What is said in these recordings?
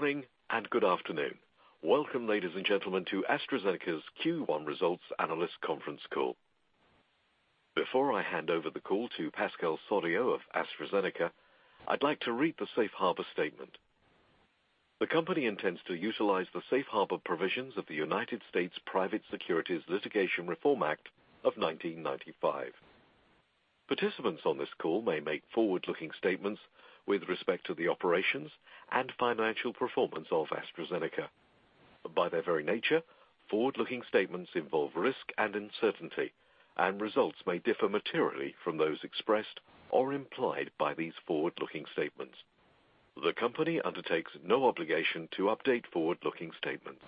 Morning and good afternoon. Welcome, ladies and gentlemen, to AstraZeneca's Q1 results analyst conference call. Before I hand over the call to Pascal Soriot of AstraZeneca, I'd like to read the safe harbor statement. The company intends to utilize the safe harbor provisions of the U.S. Private Securities Litigation Reform Act of 1995. Participants on this call may make forward-looking statements with respect to the operations and financial performance of AstraZeneca. By their very nature, forward-looking statements involve risk and uncertainty, and results may differ materially from those expressed or implied by these forward-looking statements. The company undertakes no obligation to update forward-looking statements.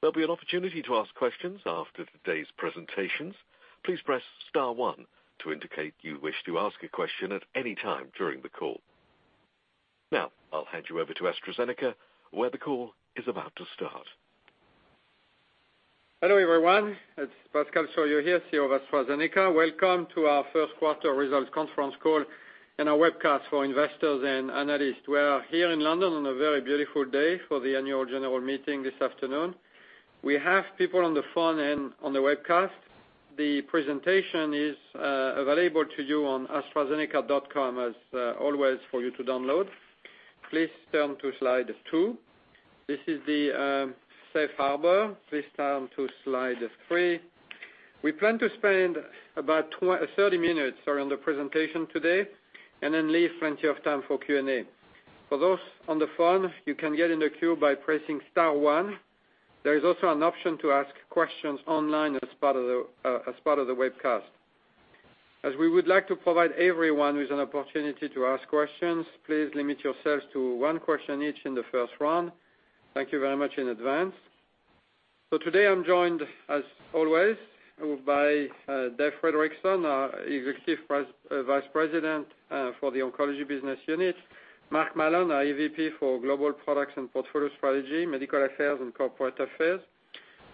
There'll be an opportunity to ask questions after today's presentations. Please press star one to indicate you wish to ask a question at any time during the call. I'll hand you over to AstraZeneca, where the call is about to start. Hello, everyone. It's Pascal Soriot here, CEO of AstraZeneca. Welcome to our first quarter results conference call and our webcast for investors and analysts. We are here in London on a very beautiful day for the annual general meeting this afternoon. We have people on the phone and on the webcast. The presentation is available to you on astrazeneca.com as always for you to download. Please turn to slide two. This is the safe harbor. Please turn to slide three. We plan to spend about 30 minutes on the presentation today, leave plenty of time for Q&A. For those on the phone, you can get in the queue by pressing star one. There is also an option to ask questions online as part of the webcast. As we would like to provide everyone with an opportunity to ask questions, please limit yourselves to one question each in the first round. Thank you very much in advance. Today I'm joined, as always, by David Fredrickson, our Executive Vice President for the Oncology Business Unit, Mark Mallon, our EVP for Global Products and Portfolio Strategy, Medical Affairs, and Corporate Affairs,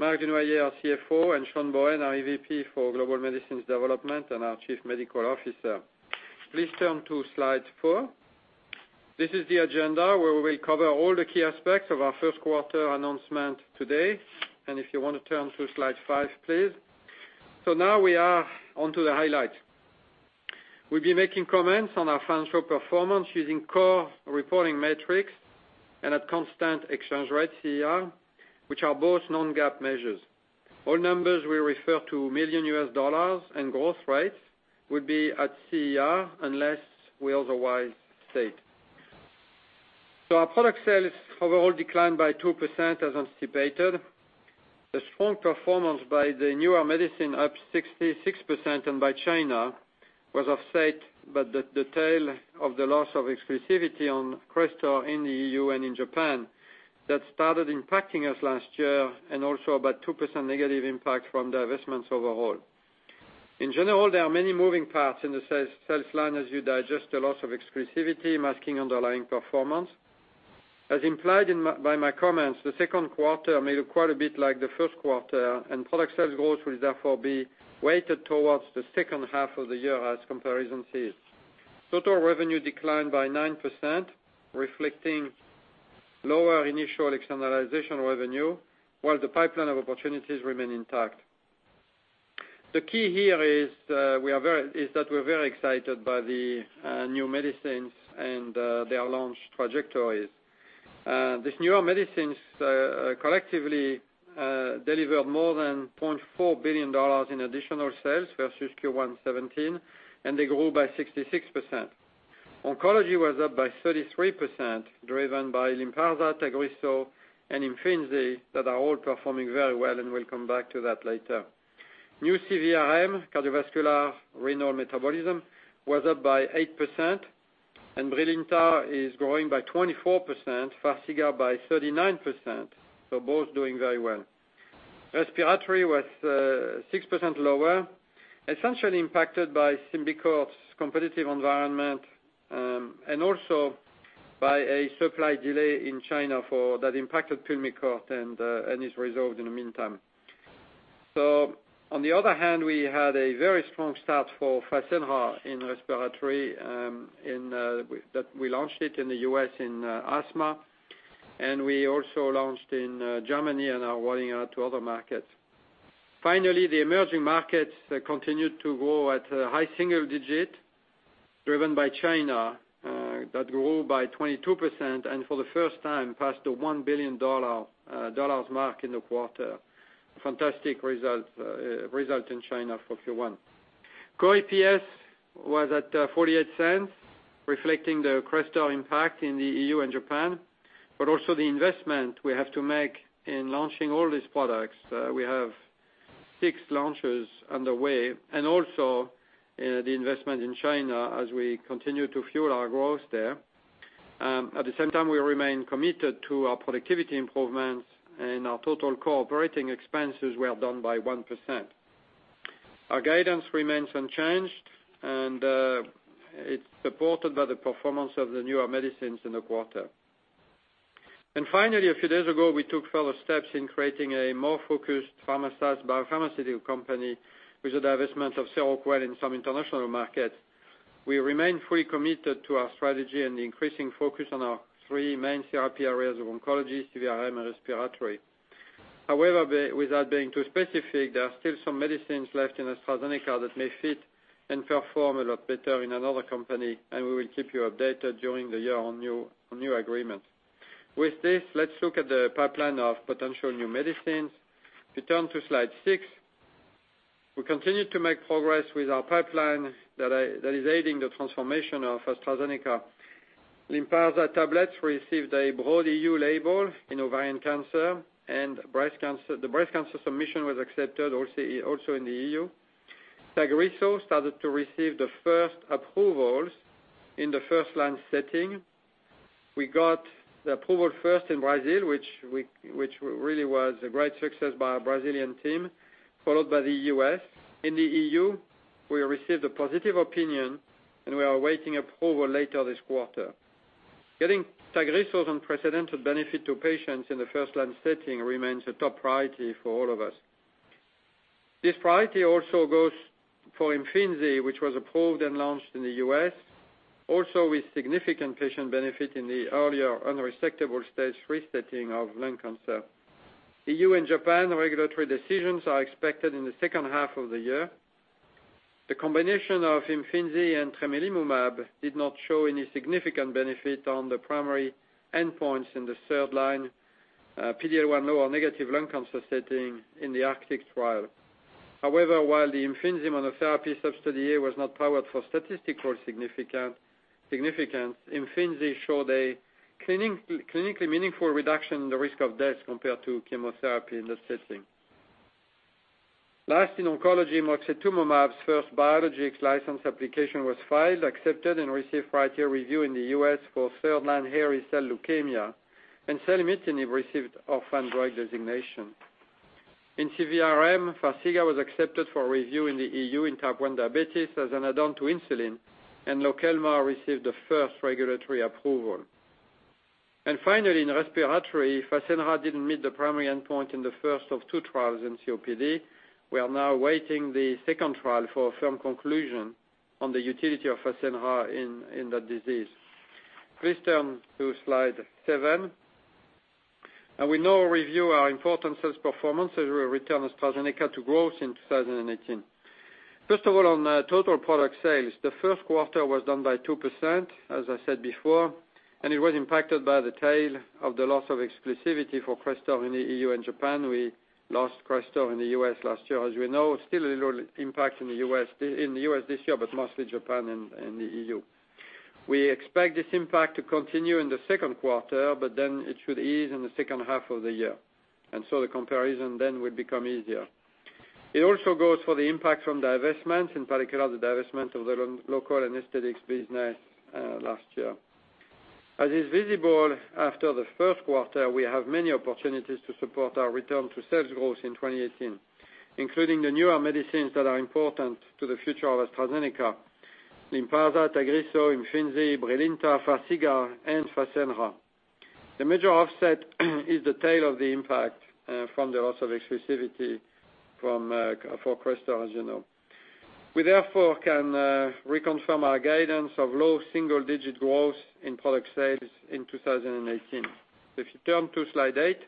Marc Dunoyer, our CFO, and Sean Bohen, our EVP for Global Medicines Development and our Chief Medical Officer. Please turn to slide four. This is the agenda where we will cover all the key aspects of our first quarter announcement today. If you want to turn to slide five, please. Now we are onto the highlights. We'll be making comments on our financial performance using core reporting metrics and at constant exchange rates, CER, which are both non-GAAP measures. All numbers will refer to million US dollars, growth rates will be at CER unless we otherwise state. Our product sales overall declined by 2% as anticipated. The strong performance by the newer medicine, up 66%, by China was offset by the tail of the loss of exclusivity on CRESTOR in the EU and in Japan that started impacting us last year, also about 2% negative impact from divestments overall. In general, there are many moving parts in the sales line as you digest the loss of exclusivity, masking underlying performance. As implied by my comments, the second quarter may look quite a bit like the first quarter, product sales growth will therefore be weighted towards the second half of the year as comparison sees. Total revenue declined by 9%, reflecting lower initial externalization revenue, while the pipeline of opportunities remain intact. The key here is that we're very excited by the new medicines and their launch trajectories. These newer medicines collectively delivered more than $0.4 billion in additional sales versus Q1 2017, and they grew by 66%. Oncology was up by 33%, driven by LYNPARZA, TAGRISSO, and IMFINZI, that are all performing very well and we'll come back to that later. New CVRM, cardiovascular, renal, metabolism, was up by 8%, and BRILINTA is growing by 24%, FARXIGA by 39%, both doing very well. Respiratory was 6% lower, essentially impacted by SYMBICORT's competitive environment, and also by a supply delay in China that impacted PULMICORT and is resolved in the meantime. On the other hand, we had a very strong start for FASENRA in respiratory, that we launched it in the U.S. in asthma, and we also launched in Germany and are rolling out to other markets. Finally, the emerging markets continued to grow at high single digit, driven by China, that grew by 22% and for the first time passed the $1 billion mark in the quarter. Fantastic result in China for Q1. Core EPS was at $0.48, reflecting the CRESTOR impact in the EU and Japan, but also the investment we have to make in launching all these products. We have six launches underway and also the investment in China as we continue to fuel our growth there. At the same time, we remain committed to our productivity improvements and our total core operating expenses were down by 1%. Our guidance remains unchanged, and it's supported by the performance of the newer medicines in the quarter. A few days ago, we took further steps in creating a more focused pharma-sized biopharmaceutical company with the divestment of Seroquel in some international markets. We remain fully committed to our strategy and the increasing focus on our three main CRP areas of oncology, CVRM, and respiratory. Without being too specific, there are still some medicines left in AstraZeneca that may fit and perform a lot better in another company, and we will keep you updated during the year on new agreements. With this, let's look at the pipeline of potential new medicines. If you turn to slide six, we continue to make progress with our pipeline that is aiding the transformation of AstraZeneca. LYNPARZA tablets received a broad EU label in ovarian cancer and the breast cancer submission was accepted also in the EU. TAGRISSO started to receive the first approvals in the first-line setting. We got the approval first in Brazil, which really was a great success by our Brazilian team, followed by the U.S. In the EU, we received a positive opinion, and we are awaiting approval later this quarter. Getting TAGRISSO's unprecedented benefit to patients in the first-line setting remains a top priority for all of us. This priority also goes for IMFINZI, which was approved and launched in the U.S., also with significant patient benefit in the earlier unresectable stage 3 setting of lung cancer. EU and Japan regulatory decisions are expected in the second half of the year. The combination of IMFINZI and tremelimumab did not show any significant benefit on the primary endpoints in the third-line PD-L1 negative lung cancer setting in the ARCTIC trial. While the IMFINZI monotherapy substudy A was not powered for statistical significance, IMFINZI showed a clinically meaningful reduction in the risk of death compared to chemotherapy in that setting. Last, in oncology, moxetumomab's first biologics license application was filed, accepted, and received priority review in the U.S. for third-line hairy cell leukemia, and selumetinib received orphan drug designation. In CVRM, FARXIGA was accepted for review in the EU in type 1 diabetes as an add-on to insulin, and Lokelma received the first regulatory approval. Finally, in respiratory, FASENRA didn't meet the primary endpoint in the first of two trials in COPD. We are now awaiting the second trial for a firm conclusion on the utility of FASENRA in that disease. Please turn to slide seven. We now review our important sales performance as we return AstraZeneca to growth in 2018. First of all, on total product sales, the first quarter was down by 2%, as I said before, and it was impacted by the tail of the loss of exclusivity for CRESTOR in the EU and Japan. We lost CRESTOR in the U.S. last year. As we know, still a little impact in the U.S. this year, but mostly Japan and the EU. We expect this impact to continue in the second quarter, it should ease in the second half of the year, the comparison then will become easier. It also goes for the impact from divestments, in particular the divestment of the local anesthetics business last year. As is visible after the first quarter, we have many opportunities to support our return to sales growth in 2018, including the newer medicines that are important to the future of AstraZeneca, LYNPARZA, TAGRISSO, IMFINZI, BRILINTA, FARXIGA, and FASENRA. The major offset is the tail of the impact from the loss of exclusivity for CRESTOR, as you know. We, therefore, can reconfirm our guidance of low single-digit growth in product sales in 2018. If you turn to slide eight,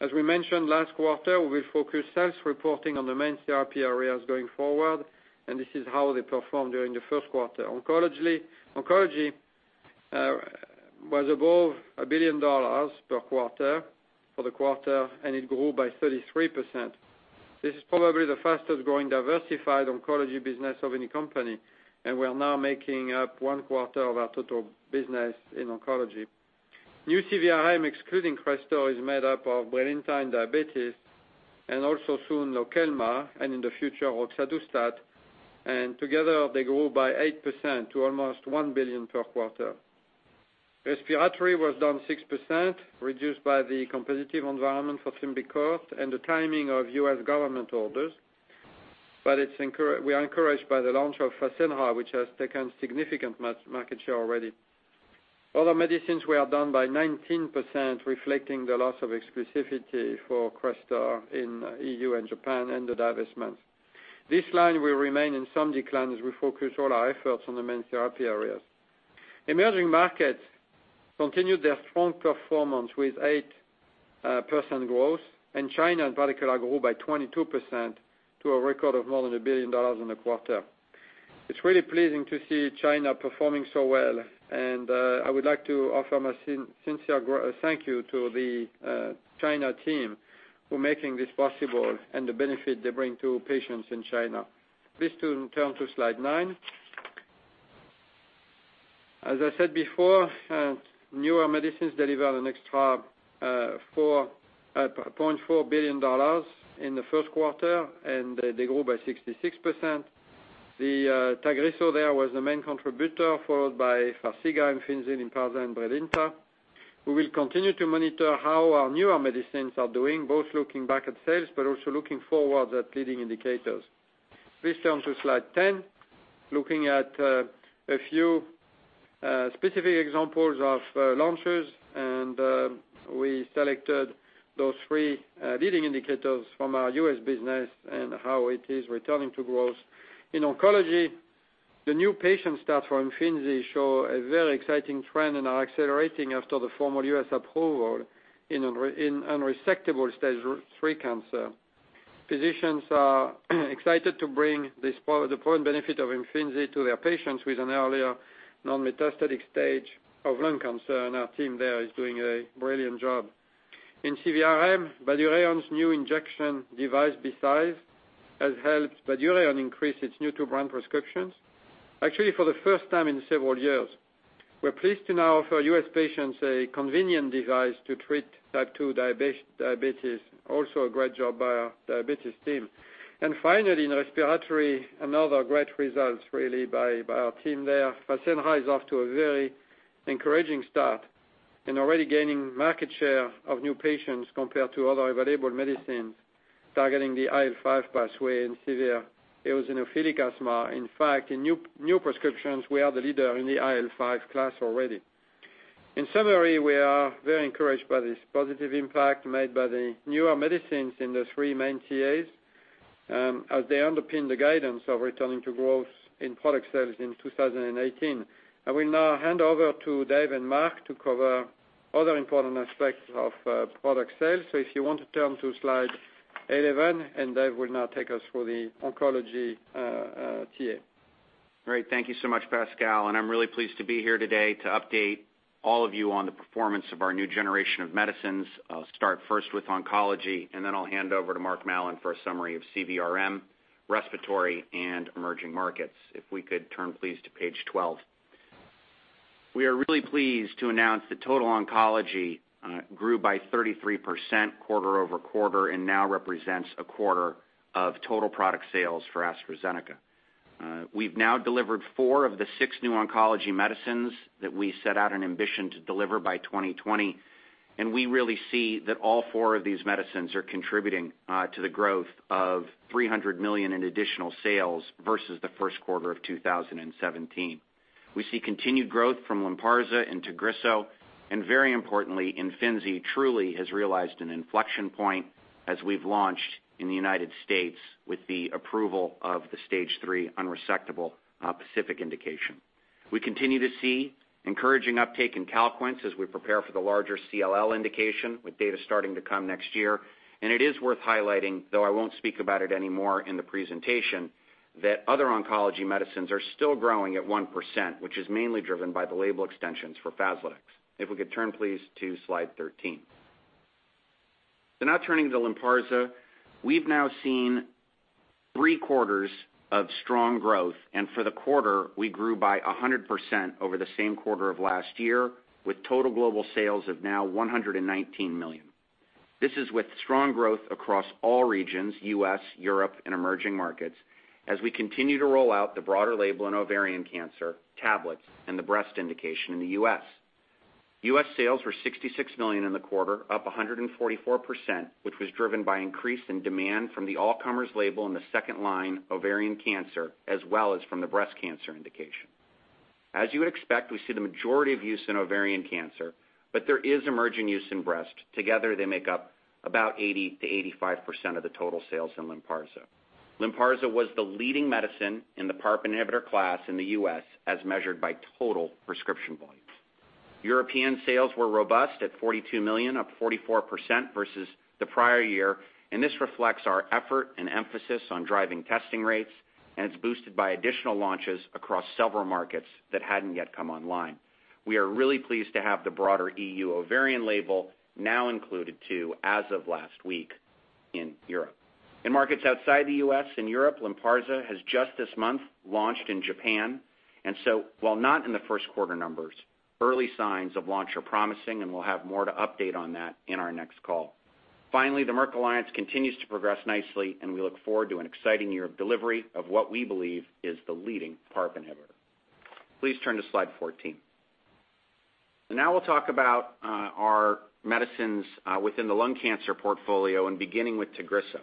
as we mentioned last quarter, we focus sales reporting on the main therapy areas going forward, and this is how they performed during the first quarter. Oncology was above GBP 1 billion for the quarter, and it grew by 33%. This is probably the fastest-growing diversified oncology business of any company, and we are now making up one quarter of our total business in oncology. New CVRM, excluding CRESTOR, is made up of BRILINTA in diabetes and also soon Lokelma, and in the future, roxadustat, and together they grew by 8% to almost 1 billion per quarter. Respiratory was down 6%, reduced by the competitive environment for SYMBICORT and the timing of U.S. government orders. We are encouraged by the launch of FASENRA, which has taken significant market share already. Other medicines were down by 19%, reflecting the loss of exclusivity for CRESTOR in EU and Japan and the divestments. This line will remain in some decline as we focus all our efforts on the main therapy areas. Emerging markets continued their strong performance with 8% growth, and China in particular grew by 22% to a record of more than $1 billion in the quarter. It's really pleasing to see China performing so well, and I would like to offer my sincere thank you to the China team for making this possible and the benefit they bring to patients in China. Please turn to slide nine. As I said before, newer medicines delivered an extra 4.4 billion in the first quarter, and they grew by 66%. The TAGRISSO there was the main contributor, followed by FARXIGA, IMFINZI, LYNPARZA, and BRILINTA. We will continue to monitor how our newer medicines are doing, both looking back at sales, but also looking forward at leading indicators. Please turn to slide 10. Looking at a few specific examples of launches, we selected those three leading indicators from our U.S. business and how it is returning to growth. In oncology, the new patient stats for IMFINZI show a very exciting trend and are accelerating after the formal U.S. approval in unresectable stage 3 cancer. Physicians are excited to bring the potent benefit of IMFINZI to their patients with an earlier non-metastatic stage of lung cancer, and our team there is doing a brilliant job. In CVRM, Bydureon's new injection device, BCise, has helped Bydureon increase its new to brand prescriptions. Actually, for the first time in several years, we're pleased to now offer U.S. patients a convenient device to treat type 2 diabetes, also a great job by our diabetes team. Finally, in respiratory, another great result really by our team there. FASENRA is off to a very encouraging start and already gaining market share of new patients compared to other available medicines targeting the IL-5 pathway in severe eosinophilic asthma. In fact, in new prescriptions, we are the leader in the IL-5 class already. In summary, we are very encouraged by this positive impact made by the newer medicines in the three main TAs, as they underpin the guidance of returning to growth in product sales in 2018. I will now hand over to Dave and Mark to cover other important aspects of product sales. If you want to turn to slide 11, Dave will now take us through the oncology TA. Great. Thank you so much, Pascal, I'm really pleased to be here today to update all of you on the performance of our new generation of medicines. I'll start first with oncology, then I'll hand over to Mark Mallon for a summary of CVRM, respiratory, and emerging markets. If we could turn please to page 12. We are really pleased to announce that total oncology grew by 33% quarter-over-quarter and now represents a quarter of total product sales for AstraZeneca. We've now delivered four of the six new oncology medicines that we set out an ambition to deliver by 2020, we really see that all four of these medicines are contributing to the growth of 300 million in additional sales versus the first quarter of 2017. We see continued growth from LYNPARZA and TAGRISSO, and very importantly, IMFINZI truly has realized an inflection point as we've launched in the U.S. with the approval of the stage 3 unresectable PACIFIC indication. We continue to see encouraging uptake in CALQUENCE as we prepare for the larger CLL indication, with data starting to come next year. It is worth highlighting, though I won't speak about it anymore in the presentation, that other oncology medicines are still growing at 1%, which is mainly driven by the label extensions for FASLODEX. If we could turn please to slide 13. Now turning to LYNPARZA, we've now seen three quarters of strong growth, and for the quarter, we grew by 100% over the same quarter of last year, with total global sales of now $119 million. This is with strong growth across all regions, U.S., Europe, and emerging markets, as we continue to roll out the broader label in ovarian cancer, tablets, and the breast indication in the U.S. U.S. sales were $66 million in the quarter, up 144%, which was driven by increase in demand from the all-comers label in the second-line ovarian cancer, as well as from the breast cancer indication. As you would expect, we see the majority of use in ovarian cancer, but there is emerging use in breast. Together, they make up about 80%-85% of the total sales in LYNPARZA. LYNPARZA was the leading medicine in the PARP inhibitor class in the U.S., as measured by total prescription volumes. European sales were robust at $42 million, up 44% versus the prior year. This reflects our effort and emphasis on driving testing rates, and it's boosted by additional launches across several markets that hadn't yet come online. We are really pleased to have the broader EU ovarian label now included too, as of last week in Europe. In markets outside the U.S. and Europe, LYNPARZA has just this month launched in Japan. While not in the first quarter numbers, early signs of launch are promising, and we'll have more to update on that in our next call. Finally, the Merck alliance continues to progress nicely. We look forward to an exciting year of delivery of what we believe is the leading PARP inhibitor. Please turn to slide 14. Now we'll talk about our medicines within the lung cancer portfolio and beginning with TAGRISSO.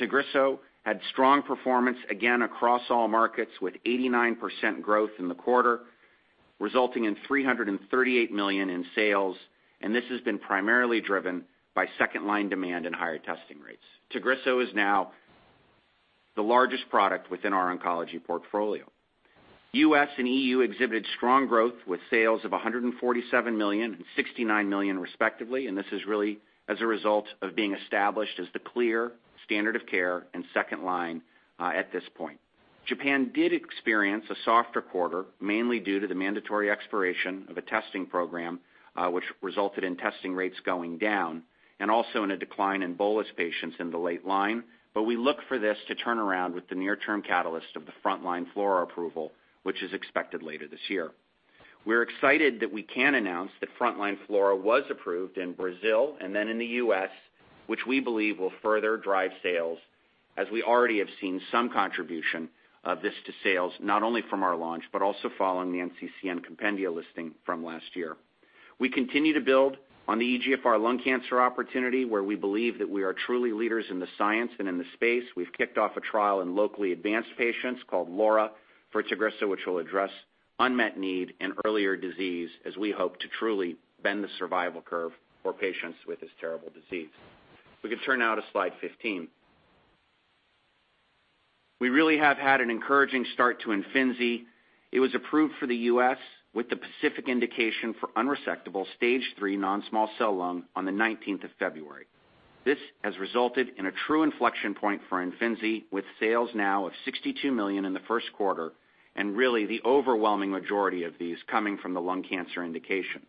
TAGRISSO had strong performance again across all markets with 89% growth in the quarter, resulting in $338 million in sales. This has been primarily driven by second-line demand and higher testing rates. TAGRISSO is now the largest product within our oncology portfolio. U.S. and EU exhibited strong growth with sales of $147 million and $69 million respectively. This is really as a result of being established as the clear standard of care in second-line at this point. Japan did experience a softer quarter, mainly due to the mandatory expiration of a testing program, which resulted in testing rates going down and also in a decline in bolus patients in the late line. We look for this to turn around with the near-term catalyst of the frontline FLAURA approval, which is expected later this year. We're excited that we can announce that frontline FLAURA was approved in Brazil and then in the U.S., which we believe will further drive sales as we already have seen some contribution of this to sales, not only from our launch, but also following the NCCN compendia listing from last year. We continue to build on the EGFR lung cancer opportunity, where we believe that we are truly leaders in the science and in the space. We've kicked off a trial in locally advanced patients called LAURA for TAGRISSO, which will address unmet need in earlier disease as we hope to truly bend the survival curve for patients with this terrible disease. If we could turn now to slide 15. We really have had an encouraging start to IMFINZI. It was approved for the U.S. with the PACIFIC indication for unresectable Stage 3 non-small cell lung on the 19th of February. This has resulted in a true inflection point for IMFINZI, with sales now of $62 million in the first quarter, and really the overwhelming majority of these coming from the lung cancer indication.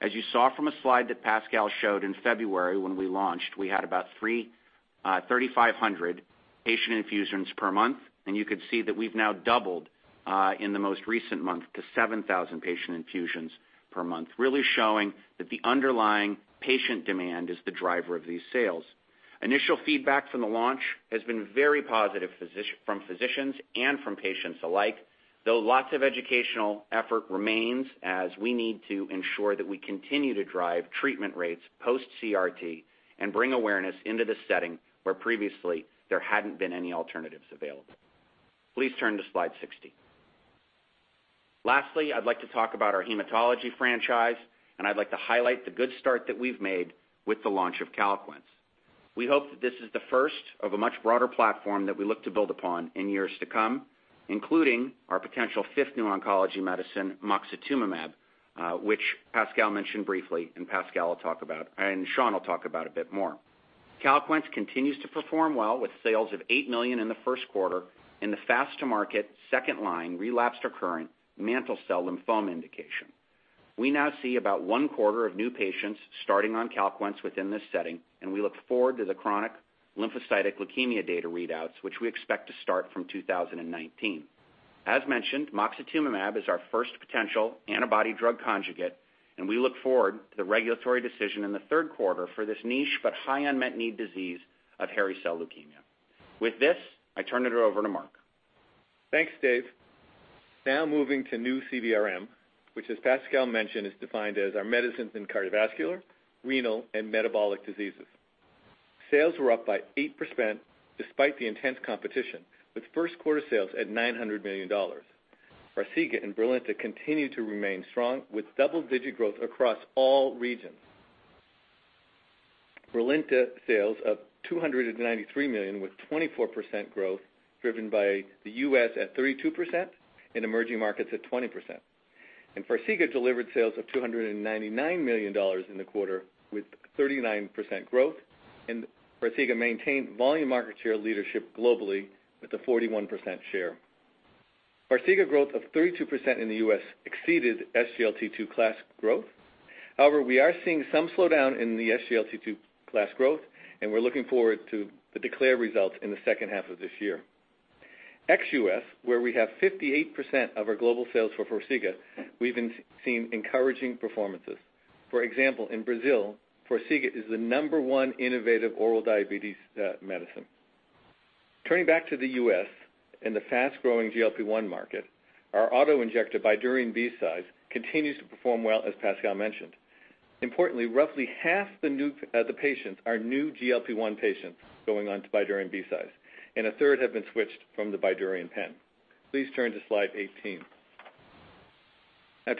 As you saw from a slide that Pascal showed in February when we launched, we had about 3,500 patient infusions per month, and you could see that we've now doubled in the most recent month to 7,000 patient infusions per month, really showing that the underlying patient demand is the driver of these sales. Initial feedback from the launch has been very positive from physicians and from patients alike, though lots of educational effort remains as we need to ensure that we continue to drive treatment rates post-CRT and bring awareness into the setting where previously there hadn't been any alternatives available. Please turn to slide 16. Lastly, I'd like to talk about our hematology franchise, and I'd like to highlight the good start that we've made with the launch of CALQUENCE. We hope that this is the first of a much broader platform that we look to build upon in years to come, including our potential fifth new oncology medicine, moxetumomab, which Pascal mentioned briefly and Sean will talk about a bit more. CALQUENCE continues to perform well with sales of $8 million in the first quarter in the fast-to-market second-line relapsed/recurring mantle cell lymphoma indication. We now see about one-quarter of new patients starting on CALQUENCE within this setting, and we look forward to the chronic lymphocytic leukemia data readouts, which we expect to start from 2019. As mentioned, moxetumomab is our first potential antibody drug conjugate, and we look forward to the regulatory decision in the third quarter for this niche but high unmet need disease of hairy cell leukemia. With this, I turn it over to Mark. Thanks, Dave. Moving to new CVRM, which as Pascal mentioned, is defined as our medicines in cardiovascular, renal, and metabolic diseases. Sales were up by 8% despite the intense competition, with first quarter sales at $900 million. FARXIGA and BRILINTA continue to remain strong with double-digit growth across all regions. BRILINTA sales of $293 million with 24% growth driven by the U.S. at 32% and emerging markets at 20%. FARXIGA delivered sales of $299 million in the quarter with 39% growth, and FARXIGA maintained volume market share leadership globally with a 41% share. FARXIGA growth of 32% in the U.S. exceeded SGLT2 class growth. We are seeing some slowdown in the SGLT2 class growth, and we're looking forward to the DECLARE results in the second half of this year. Ex-U.S., where we have 58% of our global sales for FARXIGA, we've been seeing encouraging performances. For example, in Brazil, FARXIGA is the number 1 innovative oral diabetes medicine. Turning back to the U.S. in the fast-growing GLP-1 market, our auto-injector Bydureon BCise continues to perform well, as Pascal mentioned. Importantly, roughly half the patients are new GLP-1 patients going on to Bydureon BCise, and a third have been switched from the Bydureon pen. Please turn to slide 18.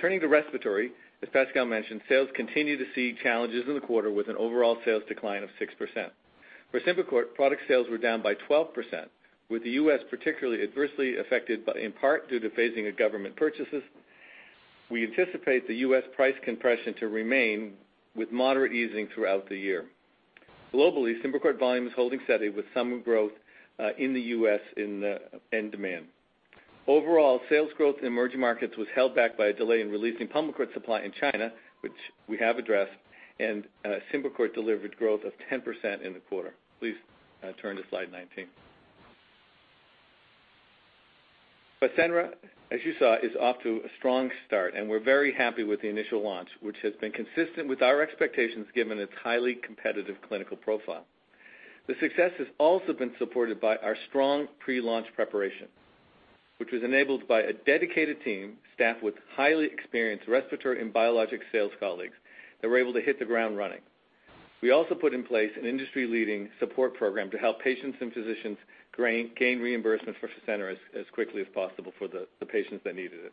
Turning to respiratory, as Pascal mentioned, sales continue to see challenges in the quarter with an overall sales decline of 6%. For SYMBICORT, product sales were down by 12%, with the U.S. particularly adversely affected in part due to phasing of government purchases. We anticipate the U.S. price compression to remain with moderate easing throughout the year. Globally, SYMBICORT volume is holding steady with some growth in the U.S. in demand. Overall, sales growth in emerging markets was held back by a delay in releasing PULMICORT supply in China, which we have addressed, and SYMBICORT delivered growth of 10% in the quarter. Please turn to slide 19. FASENRA, as you saw, is off to a strong start and we're very happy with the initial launch, which has been consistent with our expectations given its highly competitive clinical profile. The success has also been supported by our strong pre-launch preparation, which was enabled by a dedicated team staffed with highly experienced respiratory and biologic sales colleagues that were able to hit the ground running. We also put in place an industry-leading support program to help patients and physicians gain reimbursement for FASENRA as quickly as possible for the patients that needed it.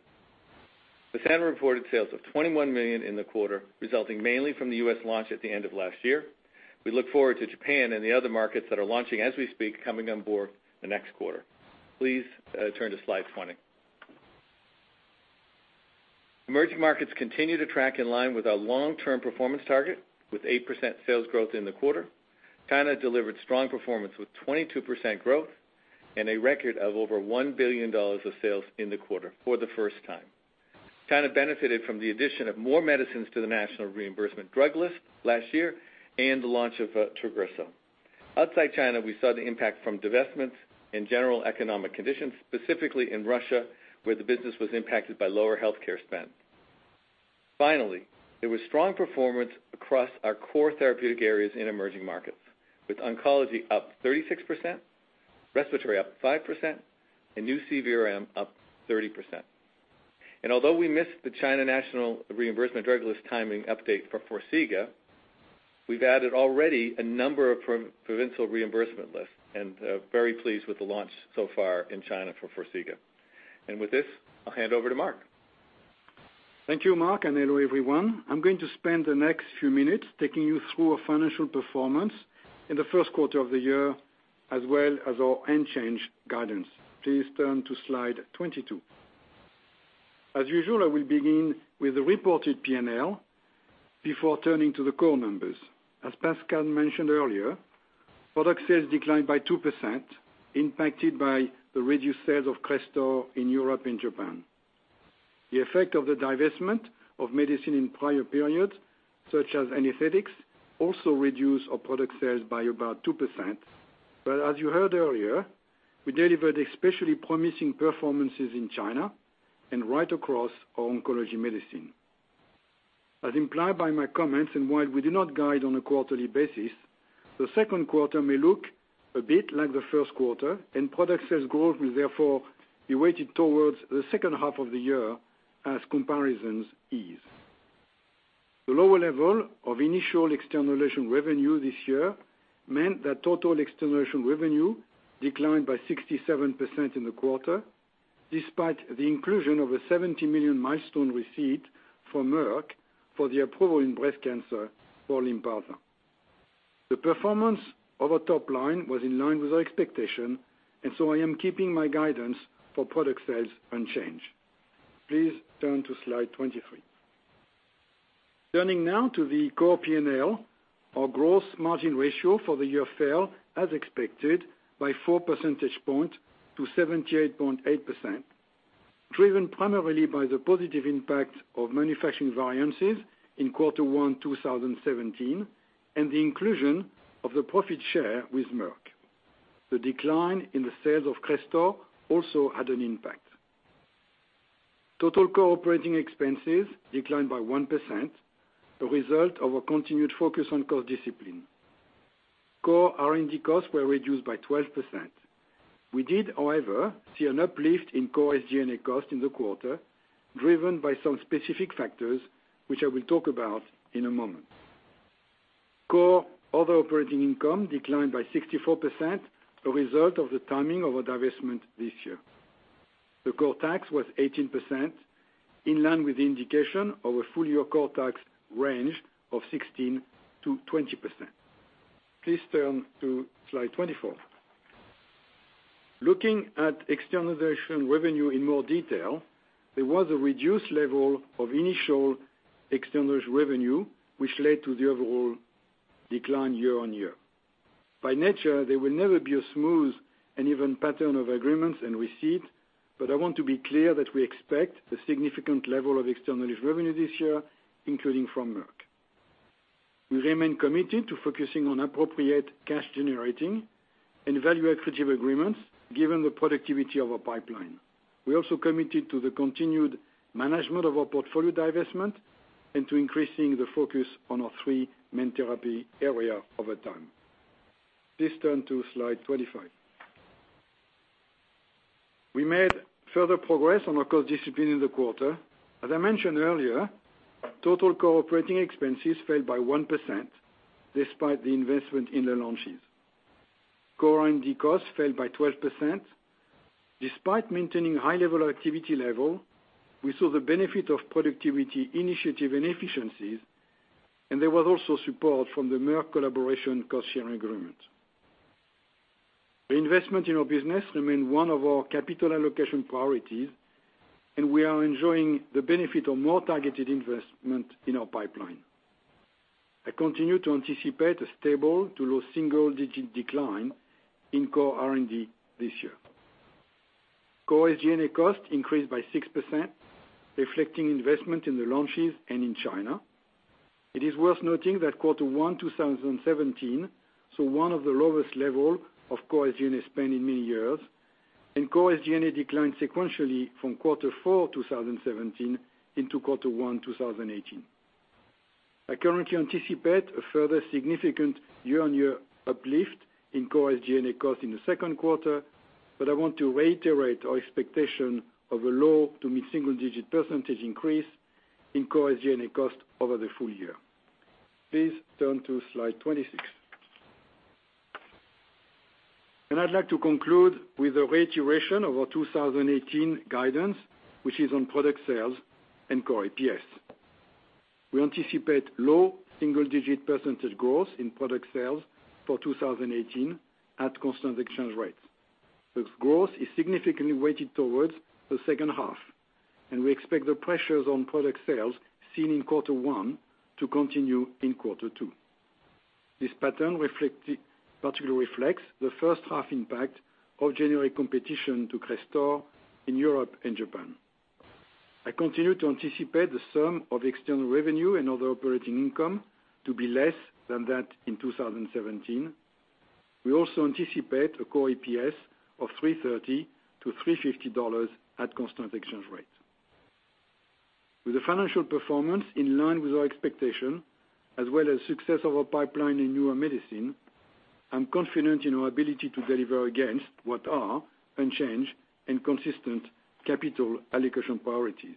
FASENRA reported sales of $21 million in the quarter, resulting mainly from the U.S. launch at the end of last year. We look forward to Japan and the other markets that are launching as we speak, coming on board the next quarter. Please turn to slide 20. Emerging markets continue to track in line with our long-term performance target with 8% sales growth in the quarter. China delivered strong performance with 22% growth and a record of over $1 billion of sales in the quarter for the first time. China benefited from the addition of more medicines to the National Reimbursement Drug List last year and the launch of TAGRISSO. Outside China, we saw the impact from divestments and general economic conditions, specifically in Russia, where the business was impacted by lower healthcare spend. Finally, there was strong performance across our core therapeutic areas in emerging markets, with oncology up 36%, Respiratory up 5%, and new CVRM up 30%. Although we missed the China National Reimbursement Drug List timing update for Forxiga, we've added already a number of provincial reimbursement lists, very pleased with the launch so far in China for Forxiga. With this, I'll hand over to Marc. Thank you, Mark, and hello, everyone. I'm going to spend the next few minutes taking you through our financial performance in the first quarter of the year, as well as our unchanged guidance. Please turn to Slide 22. As usual, I will begin with the reported P&L before turning to the core numbers. As Pascal mentioned earlier, product sales declined by 2%, impacted by the reduced sales of CRESTOR in Europe and Japan. The effect of the divestment of medicine in prior periods, such as anesthetics, also reduced our product sales by about 2%. As you heard earlier, we delivered especially promising performances in China and right across our oncology medicine. As implied by my comments, and while we do not guide on a quarterly basis, the second quarter may look a bit like the first quarter. Product sales growth will therefore be weighted towards the second half of the year as comparisons ease. The lower level of initial externalization revenue this year meant that total externalization revenue declined by 67% in the quarter, despite the inclusion of a $70 million milestone receipt from Merck for the approval in breast cancer for LYNPARZA. The performance of our top line was in line with our expectation. I am keeping my guidance for product sales unchanged. Please turn to Slide 23. Turning now to the core P&L. Our gross margin ratio for the year fell as expected by four percentage points to 78.8%, driven primarily by the positive impact of manufacturing variances in quarter one 2017, and the inclusion of the profit share with Merck. The decline in the sales of CRESTOR also had an impact. Total core operating expenses declined by 1%, a result of our continued focus on cost discipline. Core R&D costs were reduced by 12%. We did, however, see an uplift in core SG&A costs in the quarter, driven by some specific factors, which I will talk about in a moment. Core other operating income declined by 64%, a result of the timing of our divestment this year. The core tax was 18%, in line with the indication of a full-year core tax range of 16%-20%. Please turn to Slide 24. Looking at externalization revenue in more detail, there was a reduced level of initial externalization revenue, which led to the overall decline year-on-year. By nature, there will never be a smooth and even pattern of agreements and receipt, but I want to be clear that we expect a significant level of externalization revenue this year, including from Merck. We remain committed to focusing on appropriate cash-generating and value-accretive agreements given the productivity of our pipeline. We also committed to the continued management of our portfolio divestment and to increasing the focus on our three main therapy area over time. Please turn to Slide 25. We made further progress on our cost discipline in the quarter. As I mentioned earlier, total operating expenses fell by 1% despite the investment in the launches. Core R&D costs fell by 12%. Despite maintaining high level of activity, we saw the benefit of productivity initiative and efficiencies. There was also support from the Merck collaboration cost-sharing agreement. The investment in our business remain one of our capital allocation priorities. We are enjoying the benefit of more targeted investment in our pipeline. I continue to anticipate a stable to low single-digit decline in core R&D this year. Core SG&A costs increased by 6%, reflecting investment in the launches and in China. It is worth noting that quarter one 2017 saw one of the lowest level of core SG&A spend in many years, and core SG&A declined sequentially from quarter four 2017 into quarter one 2018. I currently anticipate a further significant year-on-year uplift in core SG&A cost in the second quarter, but I want to reiterate our expectation of a low- to mid-single-digit percentage increase in core SG&A cost over the full year. Please turn to Slide 26. I'd like to conclude with a reiteration of our 2018 guidance, which is on product sales and core EPS. We anticipate low single-digit percentage growth in product sales for 2018 at constant exchange rates. This growth is significantly weighted towards the second half, and we expect the pressures on product sales seen in quarter one to continue in quarter two. This pattern particularly reflects the first-half impact of generic competition to CRESTOR in Europe and Japan. I continue to anticipate the sum of external revenue and other operating income to be less than that in 2017. We also anticipate a core EPS of $3.30-$3.50 at constant exchange rate. With the financial performance in line with our expectation, as well as success of our pipeline in newer medicine, I'm confident in our ability to deliver against what are unchanged and consistent capital allocation priorities.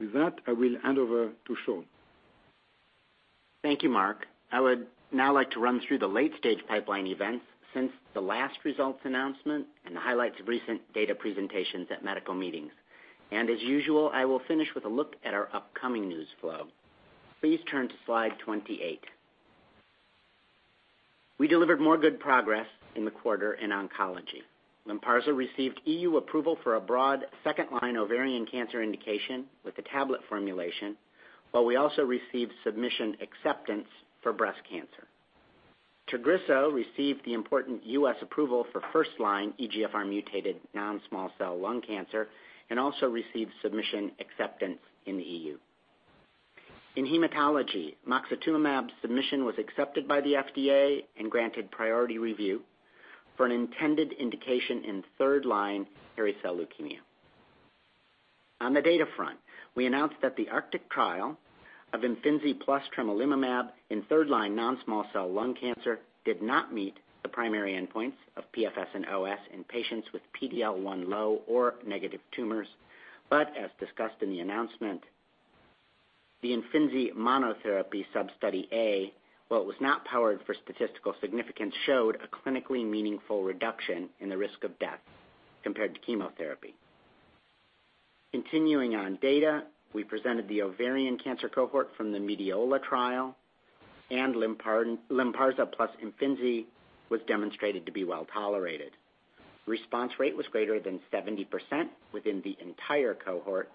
With that, I will hand over to Sean. Thank you, Marc. I would now like to run through the late-stage pipeline events since the last results announcement and the highlights of recent data presentations at medical meetings. As usual, I will finish with a look at our upcoming news flow. Please turn to slide 28. We delivered more good progress in the quarter in oncology. LYNPARZA received EU approval for a broad 2nd-line ovarian cancer indication with a tablet formulation, while we also received submission acceptance for breast cancer. TAGRISSO received the important U.S. approval for 1st-line EGFR mutated non-small cell lung cancer and also received submission acceptance in the EU. In hematology, moxetumomab submission was accepted by the FDA and granted priority review for an intended indication in 3rd-line hairy cell leukemia. On the data front, we announced that the ARCTIC trial of IMFINZI plus tremelimumab in 3rd-line non-small cell lung cancer did not meet the primary endpoints of PFS and OS in patients with PD-L1 low or negative tumors. As discussed in the announcement, the IMFINZI monotherapy sub-study A, while it was not powered for statistical significance, showed a clinically meaningful reduction in the risk of death compared to chemotherapy. Continuing on data, we presented the ovarian cancer cohort from the MEDIOLA trial, and LYNPARZA plus IMFINZI was demonstrated to be well-tolerated. Response rate was greater than 70% within the entire cohort,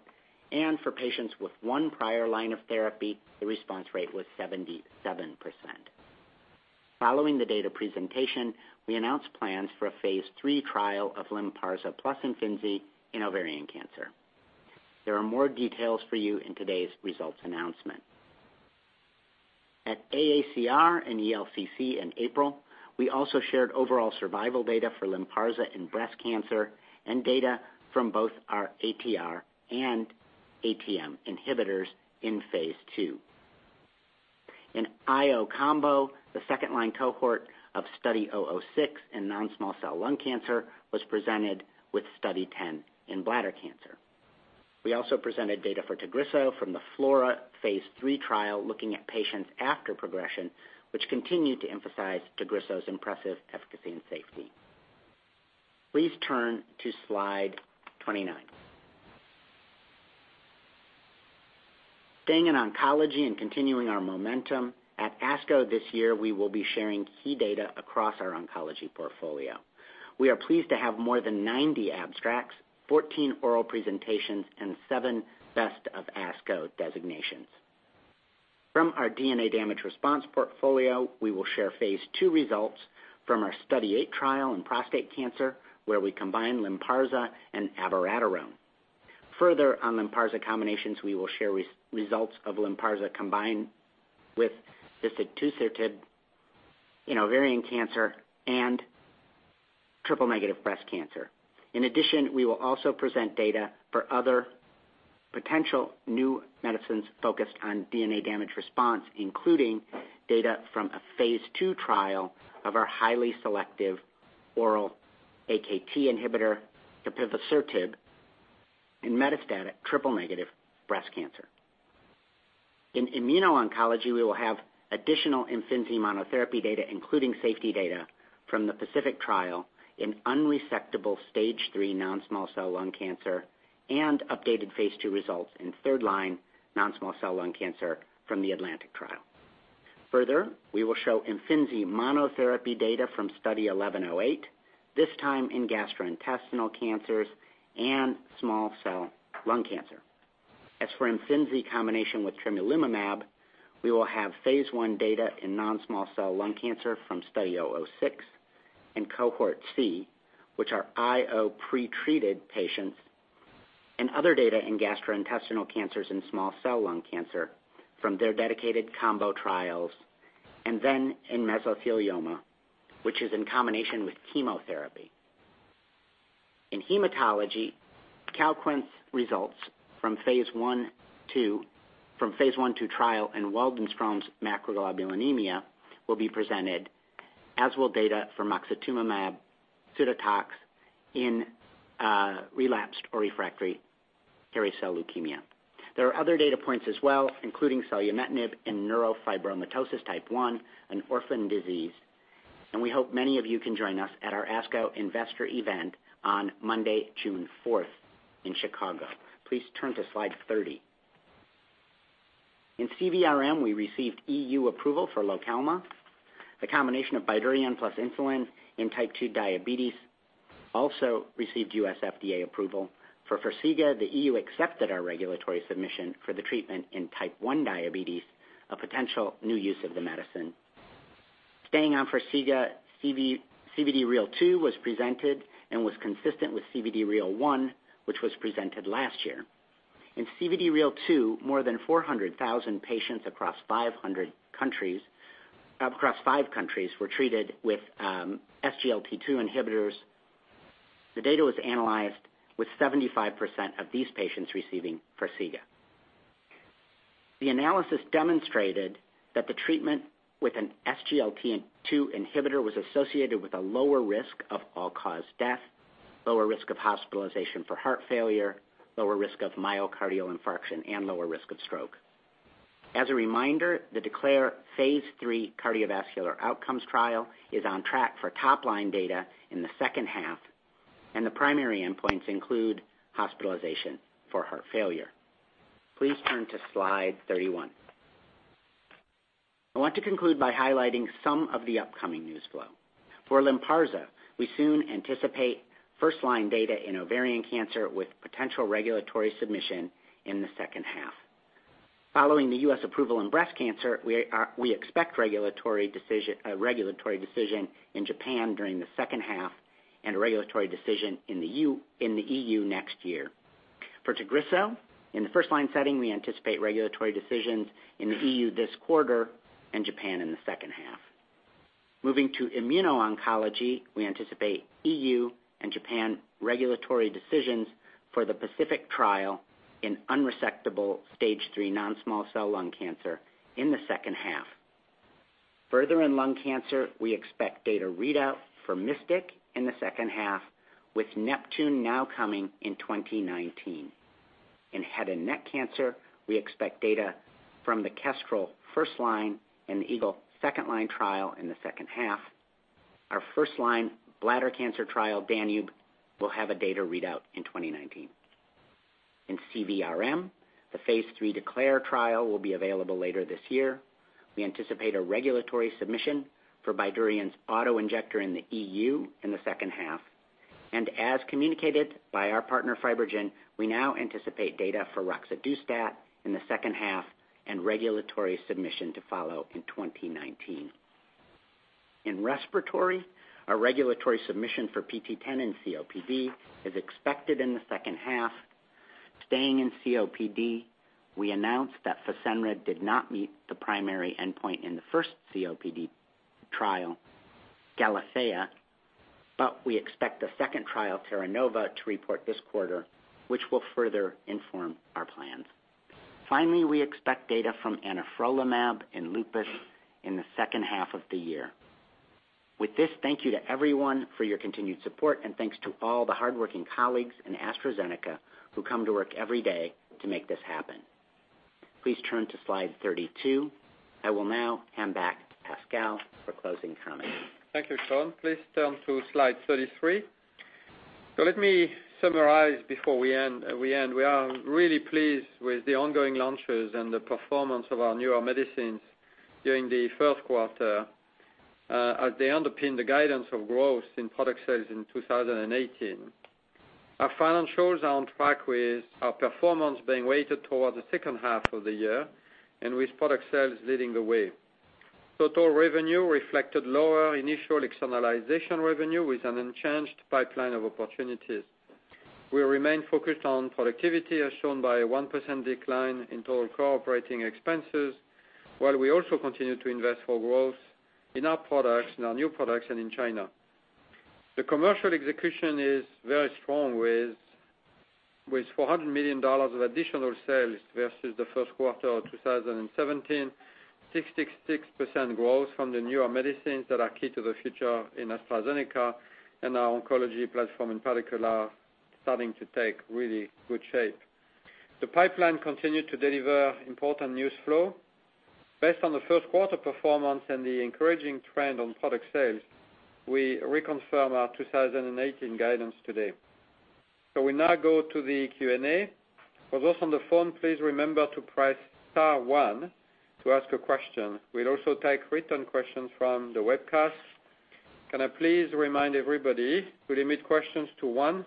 and for patients with one prior line of therapy, the response rate was 77%. Following the data presentation, we announced plans for a phase III trial of LYNPARZA plus IMFINZI in ovarian cancer. There are more details for you in today's results announcement. At AACR and ELCC in April, we also shared overall survival data for LYNPARZA in breast cancer and data from both our ATR and ATM inhibitors in phase II. In IO combo, the 2nd-line cohort of Study 006 in non-small cell lung cancer was presented with Study 10 in bladder cancer. We also presented data for TAGRISSO from the FLAURA phase III trial, looking at patients after progression, which continued to emphasize TAGRISSO's impressive efficacy and safety. Please turn to slide 29. Staying in oncology and continuing our momentum, at ASCO this year, we will be sharing key data across our oncology portfolio. We are pleased to have more than 90 abstracts, 14 oral presentations, and seven Best of ASCO designations. From our DNA damage response portfolio, we will share phase II results from our Study Eight trial in prostate cancer, where we combine LYNPARZA and abiraterone. Further on LYNPARZA combinations, we will share results of LYNPARZA combined with vistusertib in ovarian cancer and triple-negative breast cancer. In addition, we will also present data for other potential new medicines focused on DNA damage response, including data from a phase II trial of our highly selective oral AKT inhibitor, capivasertib, in metastatic triple-negative breast cancer. In immuno-oncology, we will have additional IMFINZI monotherapy data, including safety data from the PACIFIC trial in unresectable stage 3 non-small cell lung cancer and updated phase II results in 3rd-line non-small cell lung cancer from the ATLANTIC trial. Further, we will show IMFINZI monotherapy data from Study 1108, this time in gastrointestinal cancers and small cell lung cancer. As for IMFINZI combination with tremelimumab, we will have phase I data in non-small cell lung cancer from Study 006 in cohort C, which are IO pretreated patients, and other data in gastrointestinal cancers and small cell lung cancer from their dedicated combo trials, then in mesothelioma, which is in combination with chemotherapy. In hematology, CALQUENCE results from phase I/II trial in Waldenström's macroglobulinemia will be presented, as will data for moxetumomab pasudotox in relapsed or refractory hairy cell leukemia. There are other data points as well, including selumetinib in neurofibromatosis type 1, an orphan disease. We hope many of you can join us at our ASCO investor event on Monday, June 4th in Chicago. Please turn to slide 30. In CVRM, we received EU approval for Lokelma. The combination of BYDUREON plus insulin in type 2 diabetes also received U.S. FDA approval. For FARXIGA, the EU accepted our regulatory submission for the treatment in type 1 diabetes, a potential new use of the medicine. Staying on FARXIGA, CVD-REAL 2 was presented and was consistent with CVD-REAL, which was presented last year. In CVD-REAL 2, more than 400,000 patients across five countries were treated with SGLT2 inhibitors. The data was analyzed with 75% of these patients receiving FARXIGA. The analysis demonstrated that the treatment with an SGLT2 inhibitor was associated with a lower risk of all-cause death, lower risk of hospitalization for heart failure, lower risk of myocardial infarction, and lower risk of stroke. As a reminder, the DECLARE Phase III cardiovascular outcomes trial is on track for top-line data in the second half, and the primary endpoints include hospitalization for heart failure. Please turn to Slide 31. I want to conclude by highlighting some of the upcoming news flow. For LYNPARZA, we soon anticipate first-line data in ovarian cancer with potential regulatory submission in the second half. Following the U.S. approval in breast cancer, we expect a regulatory decision in Japan during the second half and a regulatory decision in the EU next year. For TAGRISSO, in the first-line setting, we anticipate regulatory decisions in the EU this quarter and Japan in the second half. Moving to immuno-oncology, we anticipate EU and Japan regulatory decisions for the PACIFIC trial in unresectable Stage 3 non-small cell lung cancer in the second half. Further in lung cancer, we expect data readout for MYSTIC in the second half, with NEPTUNE now coming in 2019. In head and neck cancer, we expect data from the KESTREL first-line and EAGLE second-line trial in the second half. Our first-line bladder cancer trial, DANUBE, will have a data readout in 2019. In CVRM, the Phase III DECLARE trial will be available later this year. We anticipate a regulatory submission for BYDUREON's auto-injector in the EU in the second half. As communicated by our partner, FibroGen, we now anticipate data for roxadustat in the second half and regulatory submission to follow in 2019. In respiratory, our regulatory submission for PT010 in COPD is expected in the second half. Staying in COPD, we announced that FASENRA did not meet the primary endpoint in the first COPD trial, GALATHEA, but we expect the second trial, TERRANOVA, to report this quarter, which will further inform our plans. Finally, we expect data from anifrolumab in lupus in the second half of the year. With this, thank you to everyone for your continued support, and thanks to all the hardworking colleagues in AstraZeneca who come to work every day to make this happen. Please turn to Slide 32. I will now hand back to Pascal for closing comments. Thank you, Sean. Please turn to Slide 33. Let me summarize before we end. We are really pleased with the ongoing launches and the performance of our newer medicines during the first quarter, as they underpin the guidance of growth in product sales in 2018. Our financials are on track with our performance being weighted towards the second half of the year and with product sales leading the way. Total revenue reflected lower initial externalization revenue with an unchanged pipeline of opportunities. We remain focused on productivity, as shown by a 1% decline in total operating expenses, while we also continue to invest for growth in our products, in our new products, and in China. The commercial execution is very strong, with $400 million of additional sales versus the first quarter of 2017, 66% growth from the newer medicines that are key to the future in AstraZeneca, and our oncology platform in particular starting to take really good shape. The pipeline continued to deliver important news flow. Based on the first quarter performance and the encouraging trend on product sales, we reconfirm our 2018 guidance today. We now go to the Q&A. For those on the phone, please remember to press star one to ask a question. We'll also take written questions from the webcast. Can I please remind everybody to limit questions to one?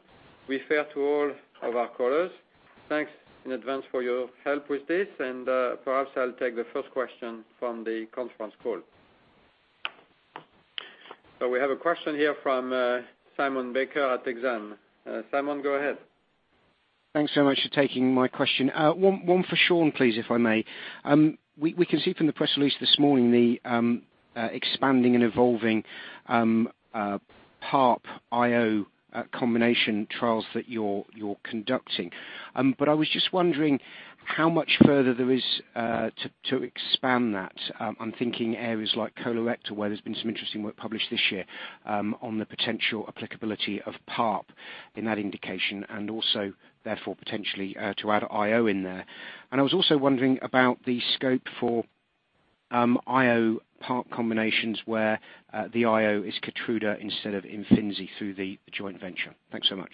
We refer to all of our callers. Thanks in advance for your help with this. Perhaps I'll take the first question from the conference call. We have a question here from Simon Baker at Exane. Simon, go ahead. Thanks so much for taking my question. One for Sean, please, if I may. We can see from the press release this morning the expanding and evolving PARP IO combination trials that you're conducting. I was just wondering how much further there is to expand that. I'm thinking areas like colorectal, where there's been some interesting work published this year on the potential applicability of PARP in that indication, and also therefore potentially to add IO in there. I was also wondering about the scope for IO PARP combinations where the IO is KEYTRUDA instead of IMFINZI through the joint venture. Thanks so much.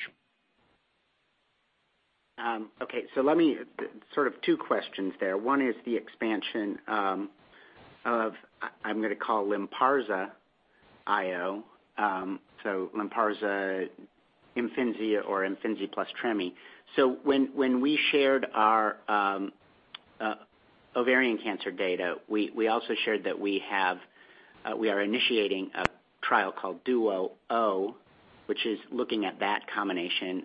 Sort of two questions there. One is the expansion of, I'm going to call LYNPARZA IO, so LYNPARZA, IMFINZI or IMFINZI plus Tremy. When we shared our ovarian cancer data, we also shared that we are initiating a trial called DUO-O, which is looking at that combination,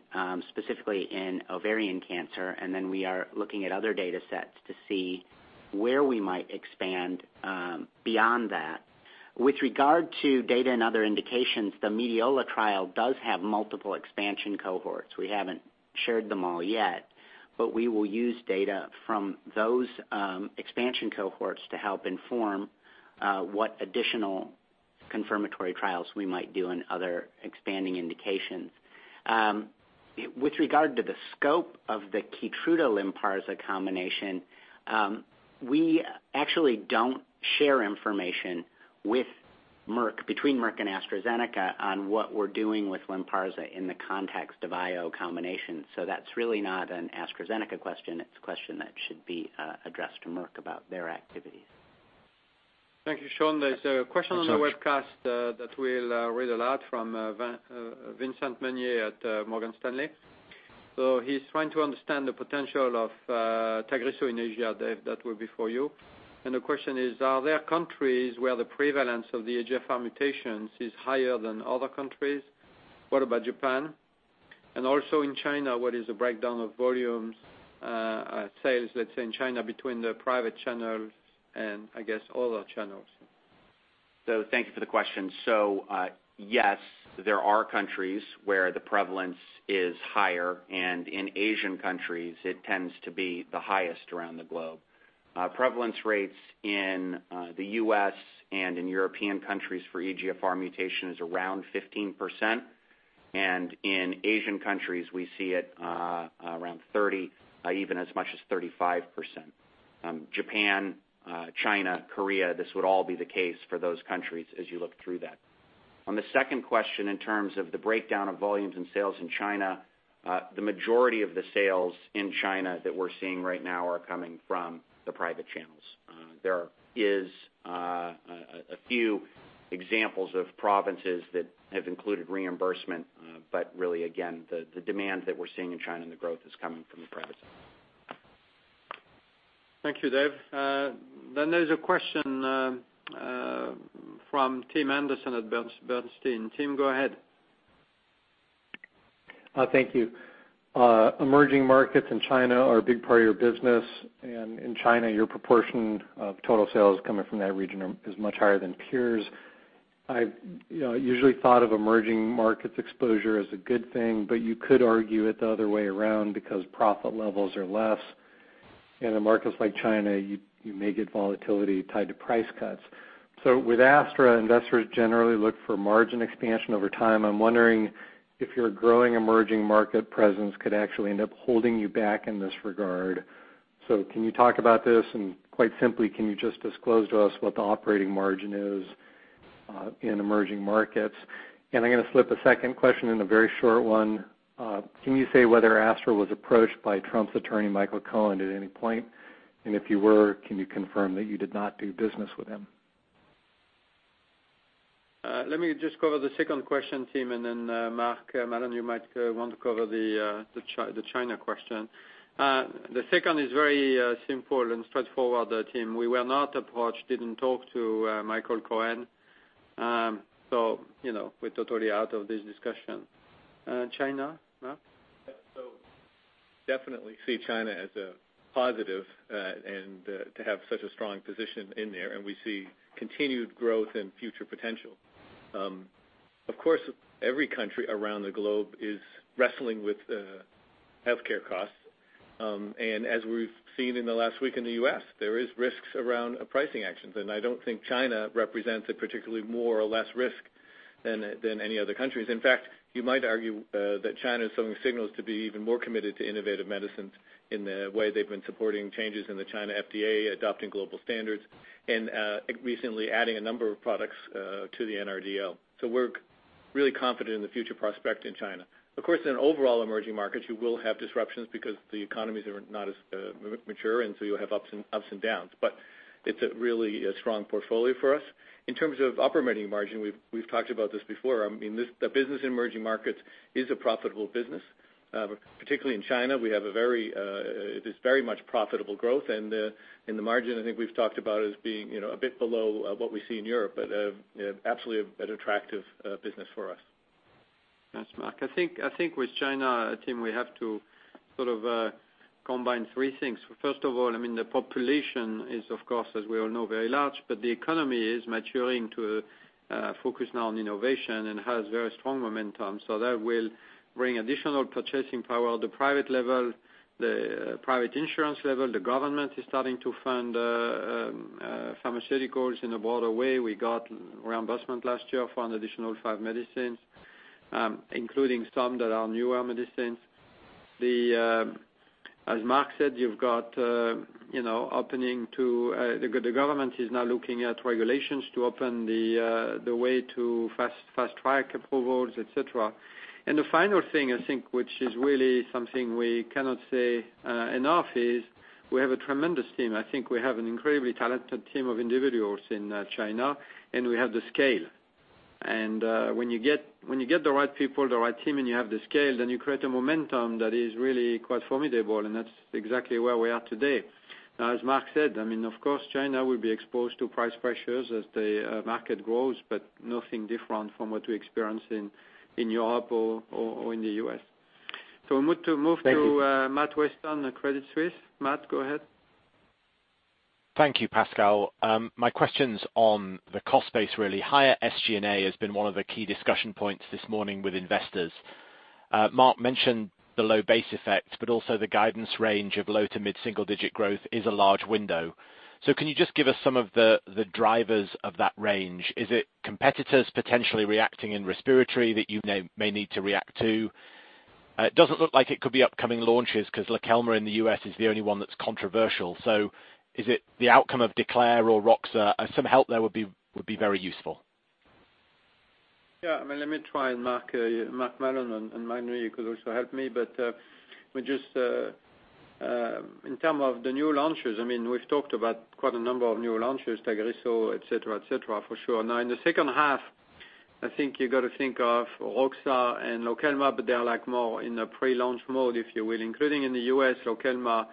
specifically in ovarian cancer, and then we are looking at other data sets to see where we might expand beyond that. With regard to data and other indications, the MEDIOLA trial does have multiple expansion cohorts. We haven't shared them all yet, we will use data from those expansion cohorts to help inform what additional confirmatory trials we might do in other expanding indications. With regard to the scope of the KEYTRUDA-LYNPARZA combination, we actually don't share information between Merck and AstraZeneca on what we're doing with LYNPARZA in the context of IO combinations. That's really not an AstraZeneca question, it's a question that should be addressed to Merck about their activities. Thank you, Sean. There's a question on the webcast that we'll read aloud from Vincent Meunier at Morgan Stanley. He's trying to understand the potential of TAGRISSO in Asia, Dave, that will be for you. The question is, are there countries where the prevalence of the EGFR mutations is higher than other countries? What about Japan? Also in China, what is the breakdown of volumes sales, let's say in China, between the private channels and I guess all the channels? Thank you for the question. Yes, there are countries where the prevalence is higher, and in Asian countries, it tends to be the highest around the globe. Prevalence rates in the U.S. and in European countries for EGFR mutation is around 15%, and in Asian countries, we see it around 30, even as much as 35%. Japan, China, Korea, this would all be the case for those countries as you look through that. On the second question, in terms of the breakdown of volumes and sales in China, the majority of the sales in China that we're seeing right now are coming from the private channels. There is a few examples of provinces that have included reimbursement. Really, again, the demand that we're seeing in China and the growth is coming from the private sector. Thank you, Dave. There's a question from Tim Anderson at Bernstein. Tim, go ahead. Thank you. Emerging markets in China are a big part of your business, and in China, your proportion of total sales coming from that region is much higher than peers. I usually thought of emerging markets exposure as a good thing, but you could argue it the other way around because profit levels are less. In markets like China, you may get volatility tied to price cuts. With Astra, investors generally look for margin expansion over time. I'm wondering if your growing emerging market presence could actually end up holding you back in this regard. Can you talk about this, and quite simply, can you just disclose to us what the operating margin is in emerging markets? I'm going to slip a second question in, a very short one. Can you say whether Astra was approached by Trump's attorney, Michael Cohen, at any point? If you were, can you confirm that you did not do business with him? Let me just cover the second question, Tim, and then, Mark Mallon, you might want to cover the China question. The second is very simple and straightforward, Tim. We were not approached, didn't talk to Michael Cohen. We're totally out of this discussion. China, Mark? Definitely see China as a positive, and to have such a strong position in there, and we see continued growth and future potential. Of course, every country around the globe is wrestling with healthcare costs. As we've seen in the last week in the U.S., there is risks around pricing actions, and I don't think China represents a particularly more or less risk than any other countries. In fact, you might argue that China is showing signals to be even more committed to innovative medicines in the way they've been supporting changes in the China FDA, adopting global standards, and recently adding a number of products to the NRDL. We're really confident in the future prospect in China. Of course, in overall emerging markets, you will have disruptions because the economies are not as mature, you'll have ups and downs. It's a really strong portfolio for us. In terms of operating margin, we've talked about this before. The business in emerging markets is a profitable business. Particularly in China, it is very much profitable growth, and the margin, I think we've talked about as being a bit below what we see in Europe, but absolutely an attractive business for us. Thanks, Mark. I think with China, Tim, we have to sort of combine three things. First of all, the population is, of course, as we all know, very large, but the economy is maturing to focus now on innovation and has very strong momentum. That will bring additional purchasing power at the private level, the private insurance level. The government is starting to fund pharmaceuticals in a broader way. We got reimbursement last year for an additional five medicines, including some that are newer medicines. As Mark said, the government is now looking at regulations to open the way to fast-track approvals, et cetera. The final thing, I think, which is really something we cannot say enough, is we have a tremendous team. I think we have an incredibly talented team of individuals in China, and we have the scale. When you get the right people, the right team, and you have the scale, then you create a momentum that is really quite formidable, and that's exactly where we are today. As Marc said, of course, China will be exposed to price pressures as the market grows, but nothing different from what we experience in Europe or in the U.S. Thank you Matthew Weston, Credit Suisse. Matt, go ahead. Thank you, Pascal. My question's on the cost base, really. Higher SG&A has been one of the key discussion points this morning with investors. Mark mentioned the low base effect, but also the guidance range of low to mid-single-digit growth is a large window. Can you just give us some of the drivers of that range? Is it competitors potentially reacting in respiratory that you may need to react to? It doesn't look like it could be upcoming launches because Lokelma in the U.S. is the only one that's controversial. Is it the outcome of DECLARE or ROXA? Some help there would be very useful. Let me try and Mark Mallon and Marc Dunoyer you could also help me. Just in term of the new launches, we've talked about quite a number of new launches, TAGRISSO etc. for sure. Now, in the second half, I think you got to think of roxadustat and Lokelma, but they are more in a pre-launch mode, if you will, including in the U.S., Lokelma.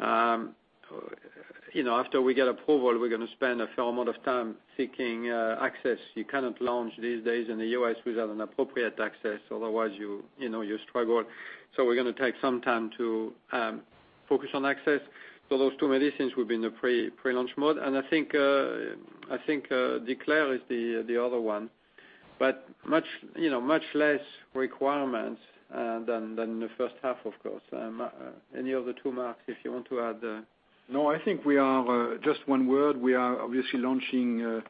After we get approval, we're going to spend a fair amount of time seeking access. You cannot launch these days in the U.S. without an appropriate access, otherwise you struggle. We're going to take some time to focus on access. Those two medicines will be in the pre-launch mode. I think DECLARE is the other one. Much less requirements than the first half, of course. Any other tool, Mark, if you want to add. No, I think we are just one word. We are obviously launching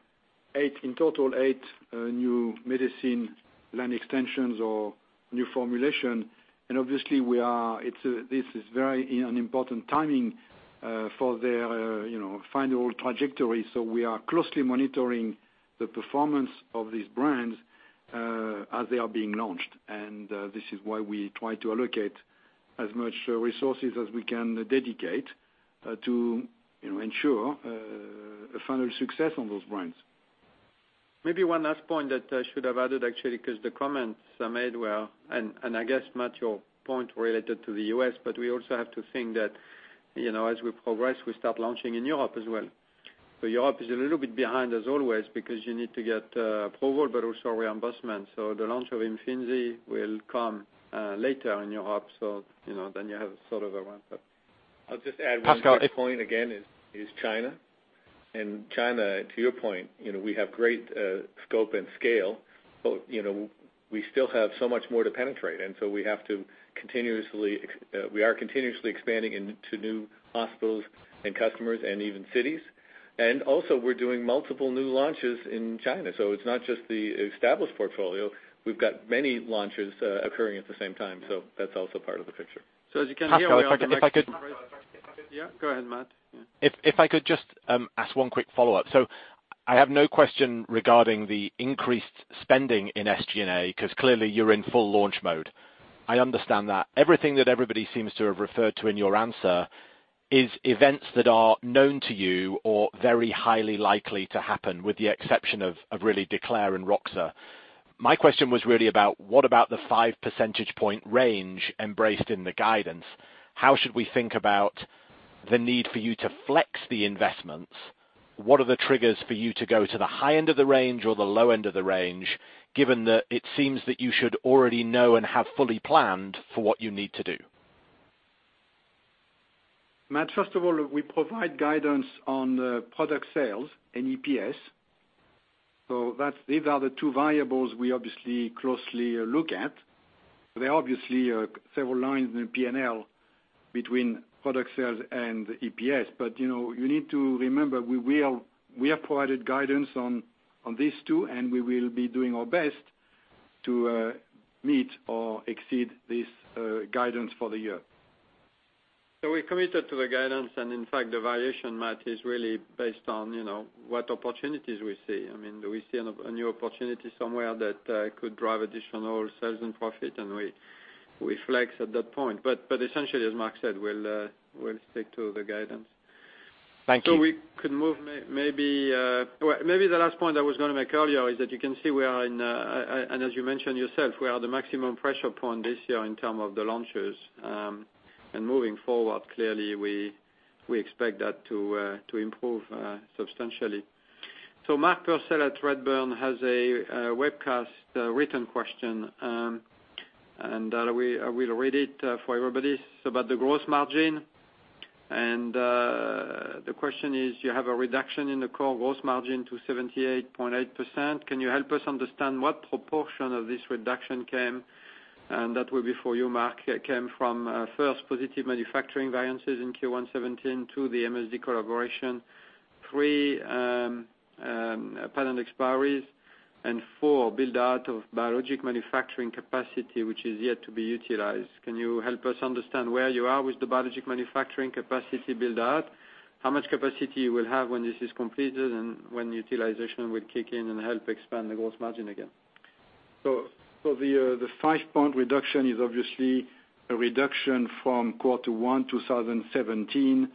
eight in total, eight new medicine line extensions or new formulation. Obviously, this is very an important timing for their final trajectory. We are closely monitoring the performance of these brands as they are being launched. This is why we try to allocate as much resources as we can dedicate to ensure a final success on those brands. Maybe one last point that I should have added actually, because the comments are made well, and I guess, Matt, your point related to the U.S., we also have to think that as we progress, we start launching in Europe as well. Europe is a little bit behind as always, because you need to get approval, but also reimbursement. The launch of IMFINZI will come later in Europe, you have sort of a ramp up. I'll just add one last point again is China. China, to your point, we have great scope and scale, we still have so much more to penetrate, we are continuously expanding into new hospitals and customers and even cities. Also we're doing multiple new launches in China. It's not just the established portfolio. We've got many launches occurring at the same time. That's also part of the picture. As you can hear, we are Pascal, if I could just Go ahead, Matt. If I could just ask one quick follow-up. I have no question regarding the increased spending in SG&A, because clearly you are in full launch mode. I understand that. Everything that everybody seems to have referred to in your answer is events that are known to you or very highly likely to happen, with the exception of really DECLARE and roxadustat. My question was really about what about the five percentage point range embraced in the guidance? How should we think about the need for you to flex the investments? What are the triggers for you to go to the high end of the range or the low end of the range, given that it seems that you should already know and have fully planned for what you need to do? Matt, first of all, we provide guidance on product sales and EPS. These are the two variables we obviously closely look at. There are obviously several lines in the P&L between product sales and EPS. You need to remember, we have provided guidance on these two, and we will be doing our best to meet or exceed this guidance for the year. We're committed to the guidance, in fact, the variation, Matt, is really based on what opportunities we see. Do we see a new opportunity somewhere that could drive additional sales and profit, we flex at that point. Essentially, as Mark said, we'll stick to the guidance. Thank you. We could move maybe The last point I was going to make earlier is that you can see we are in, as you mentioned yourself, we are the maximum pressure point this year in terms of the launches. Moving forward, clearly, we expect that to improve substantially. Mark Purcell at Redburn has a webcast written question, I will read it for everybody. It's about the gross margin. The question is, you have a reduction in the core gross margin to 78.8%. Can you help us understand what proportion of this reduction came, and that will be for you, Marc, came from first positive manufacturing variances in Q1 2017 to the MSD collaboration, three, patent expiries, and four, build-out of biologic manufacturing capacity, which is yet to be utilized. Can you help us understand where you are with the biologic manufacturing capacity build-out? How much capacity you will have when this is completed and when utilization will kick in and help expand the gross margin again? The five-point reduction is obviously a reduction from quarter 1 2017,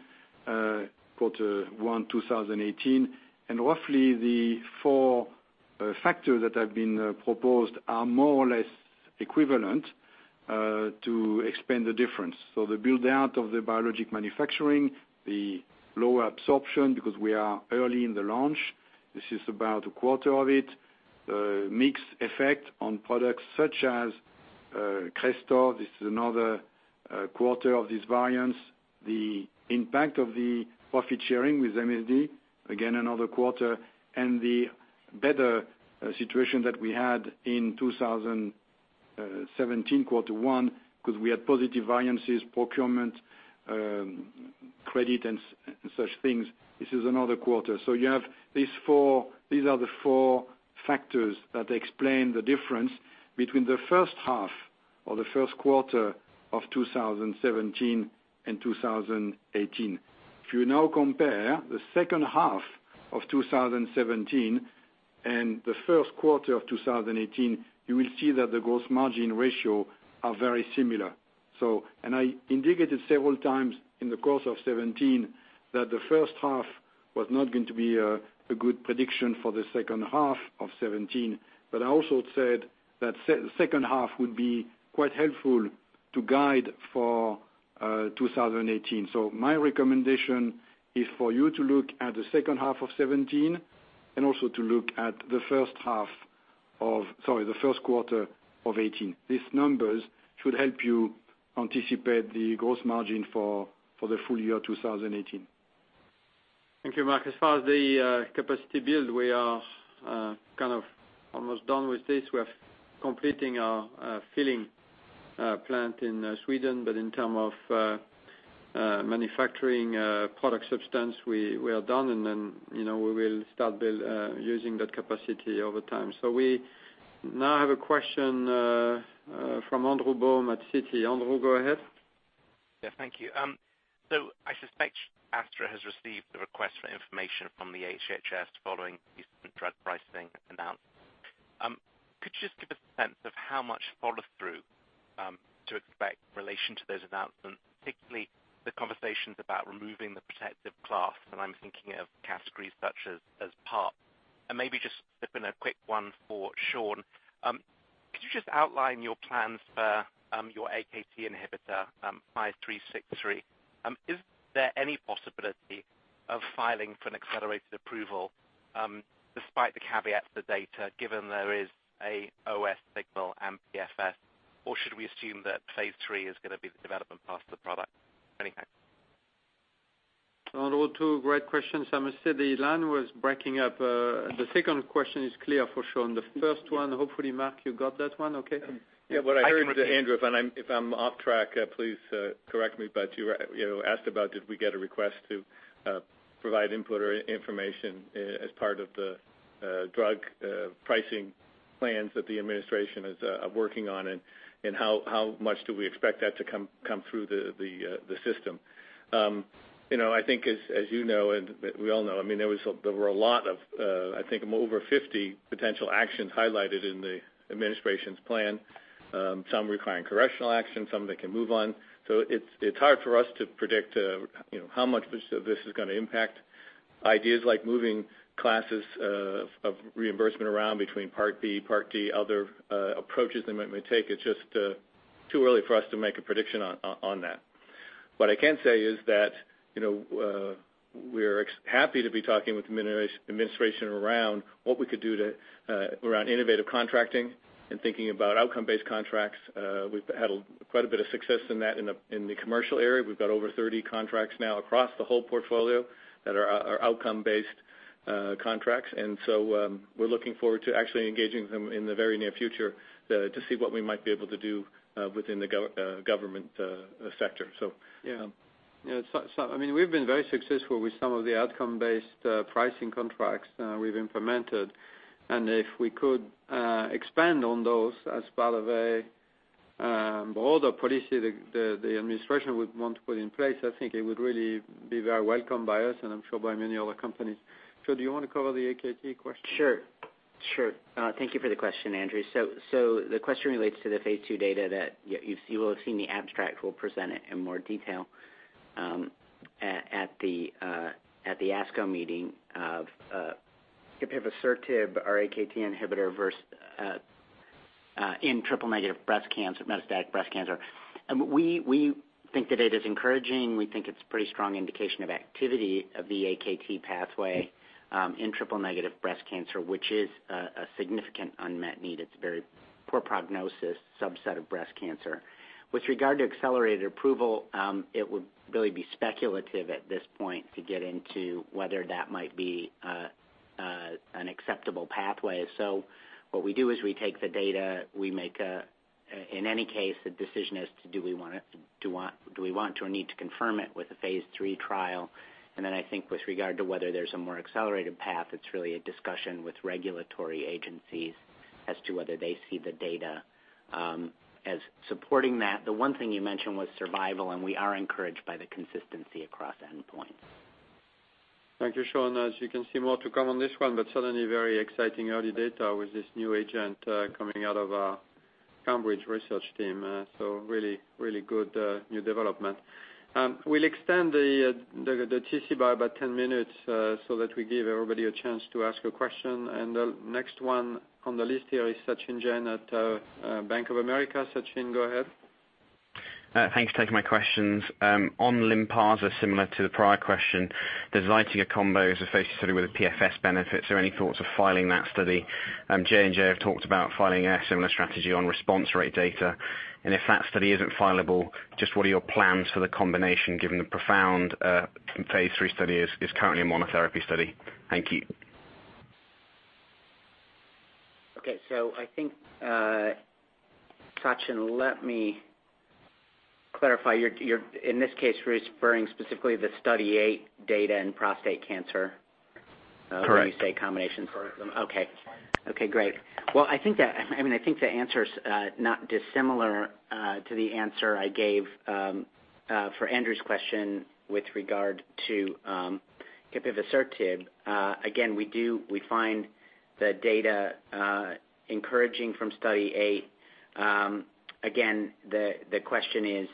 quarter 1 2018, and roughly the four factors that have been proposed are more or less equivalent to expand the difference. The build-out of the biologic manufacturing, the lower absorption, because we are early in the launch. This is about a quarter of it. Mix effect on products such as CRESTOR, this is another quarter of these variants. The impact of the profit sharing with MSD, again, another quarter, and the better situation that we had in 2017 quarter 1, because we had positive variances, procurement, credit, and such things. This is another quarter. You have these four. These are the four factors that explain the difference between the first half or the first quarter of 2017 and 2018. If you now compare the second half of 2017 and the first quarter of 2018, you will see that the gross margin ratios are very similar. I indicated several times in the course of 2017 that the first half was not going to be a good prediction for the second half of 2017, but I also said that second half would be quite helpful to guide for 2018. My recommendation is for you to look at the second half of 2017 and also to look at the first quarter of 2018. These numbers should help you anticipate the gross margin for the full year 2018. Thank you, Marc. As far as the capacity build, we are kind of almost done with this. We are completing our filling plant in Sweden. In terms of manufacturing product substance, we are done, and then we will start using that capacity over time. We now have a question from Andrew Baum at Citi. Andrew, go ahead. Yeah, thank you. I suspect Astra has received the request for information from the HHS following recent drug pricing announcements. Could you just give a sense of how much follow through to expect in relation to those announcements, particularly the conversations about removing the protective class? I'm thinking of categories such as Part. Maybe just slip in a quick one for Sean. Could you just outline your plans for your AKT inhibitor AZD5363? Is there any possibility of filing for an accelerated approval despite the caveats, the data, given there is a OS signal and PFS, or should we assume that phase III is going to be the development path of the product anyhow? Two great questions. I must say the line was breaking up. The second question is clear for Sean. The first one, hopefully, Marc, you got that one okay? Yeah. What I heard, Andrew, if I'm off track, please correct me, you asked about did we get a request to provide input or information as part of the drug pricing plans that the administration is working on, how much do we expect that to come through the system. I think, as you know, and we all know, there were a lot of, I think over 50 potential actions highlighted in the administration's plan. Some requiring correctional action, some that can move on. It's hard for us to predict how much of this is going to impact ideas like moving classes of reimbursement around between Part B, Part D, other approaches they might take. It's just too early for us to make a prediction on that. What I can say is that we're happy to be talking with the administration around what we could do around innovative contracting and thinking about outcome-based contracts. We've had quite a bit of success in that in the commercial area. We've got over 30 contracts now across the whole portfolio that are outcome-based contracts. We're looking forward to actually engaging them in the very near future to see what we might be able to do within the government sector. Yeah. We've been very successful with some of the outcome-based pricing contracts we've implemented, and if we could expand on those as part of all the policy the administration would want to put in place, I think it would really be very welcome by us and I'm sure by many other companies. Sean, do you want to cover the AKT question? Sure. Thank you for the question, Andrew. The question relates to the phase II data that you will have seen the abstract. We'll present it in more detail at the ASCO meeting of capivasertib or AKT inhibitor in triple-negative metastatic breast cancer. We think that it is encouraging. We think it's pretty strong indication of activity of the AKT pathway in triple-negative breast cancer, which is a significant unmet need. It's a very poor prognosis subset of breast cancer. With regard to accelerated approval, it would really be speculative at this point to get into whether that might be an acceptable pathway. What we do is we take the data. In any case, the decision is do we want to or need to confirm it with a phase III trial? I think with regard to whether there's a more accelerated path, it's really a discussion with regulatory agencies as to whether they see the data as supporting that. The one thing you mentioned was survival, and we are encouraged by the consistency across endpoints. Thank you, Sean. As you can see, more to come on this one, but certainly very exciting early data with this new agent coming out of our Cambridge research team. Really good new development. We'll extend the TC by about 10 minutes so that we give everybody a chance to ask a question. The next one on the list here is Sachin Jain at Bank of America. Sachin, go ahead. Thanks for taking my questions. On LYNPARZA, similar to the prior question, the ZYTIGA combo is a phase study with PFS benefits. Are there any thoughts of filing that study? Johnson & Johnson have talked about filing a similar strategy on response rate data. If that study isn't fileable, just what are your plans for the combination, given the PROfound phase III study is currently a monotherapy study? Thank you. I think, Sachin, let me clarify. In this case, you're referring specifically the Study 8 data in prostate cancer- Correct when you say combination. Correct. I think the answer's not dissimilar to the answer I gave for Andrew's question with regard to capivasertib. Again, we find the data encouraging from Study 8. Again, the question is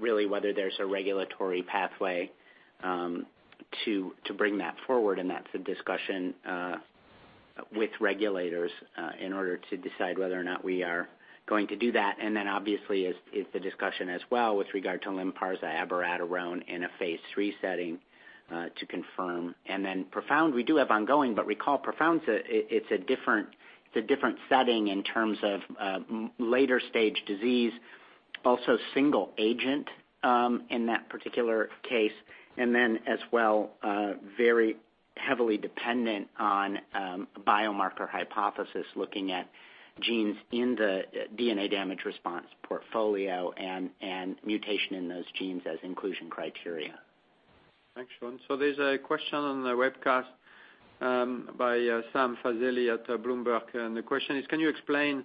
really whether there's a regulatory pathway to bring that forward, and that's a discussion with regulators in order to decide whether or not we are going to do that. Obviously is the discussion as well with regard to LYNPARZA, abiraterone in a phase III setting to confirm. PROfound, we do have ongoing, but recall PROfound, it's a different setting in terms of later stage disease, also single agent in that particular case. As well, very heavily dependent on biomarker hypothesis, looking at genes in the DNA damage response portfolio and mutation in those genes as inclusion criteria. Thanks, Sean. There's a question on the webcast by Sam Fazeli at Bloomberg, and the question is, "Can you explain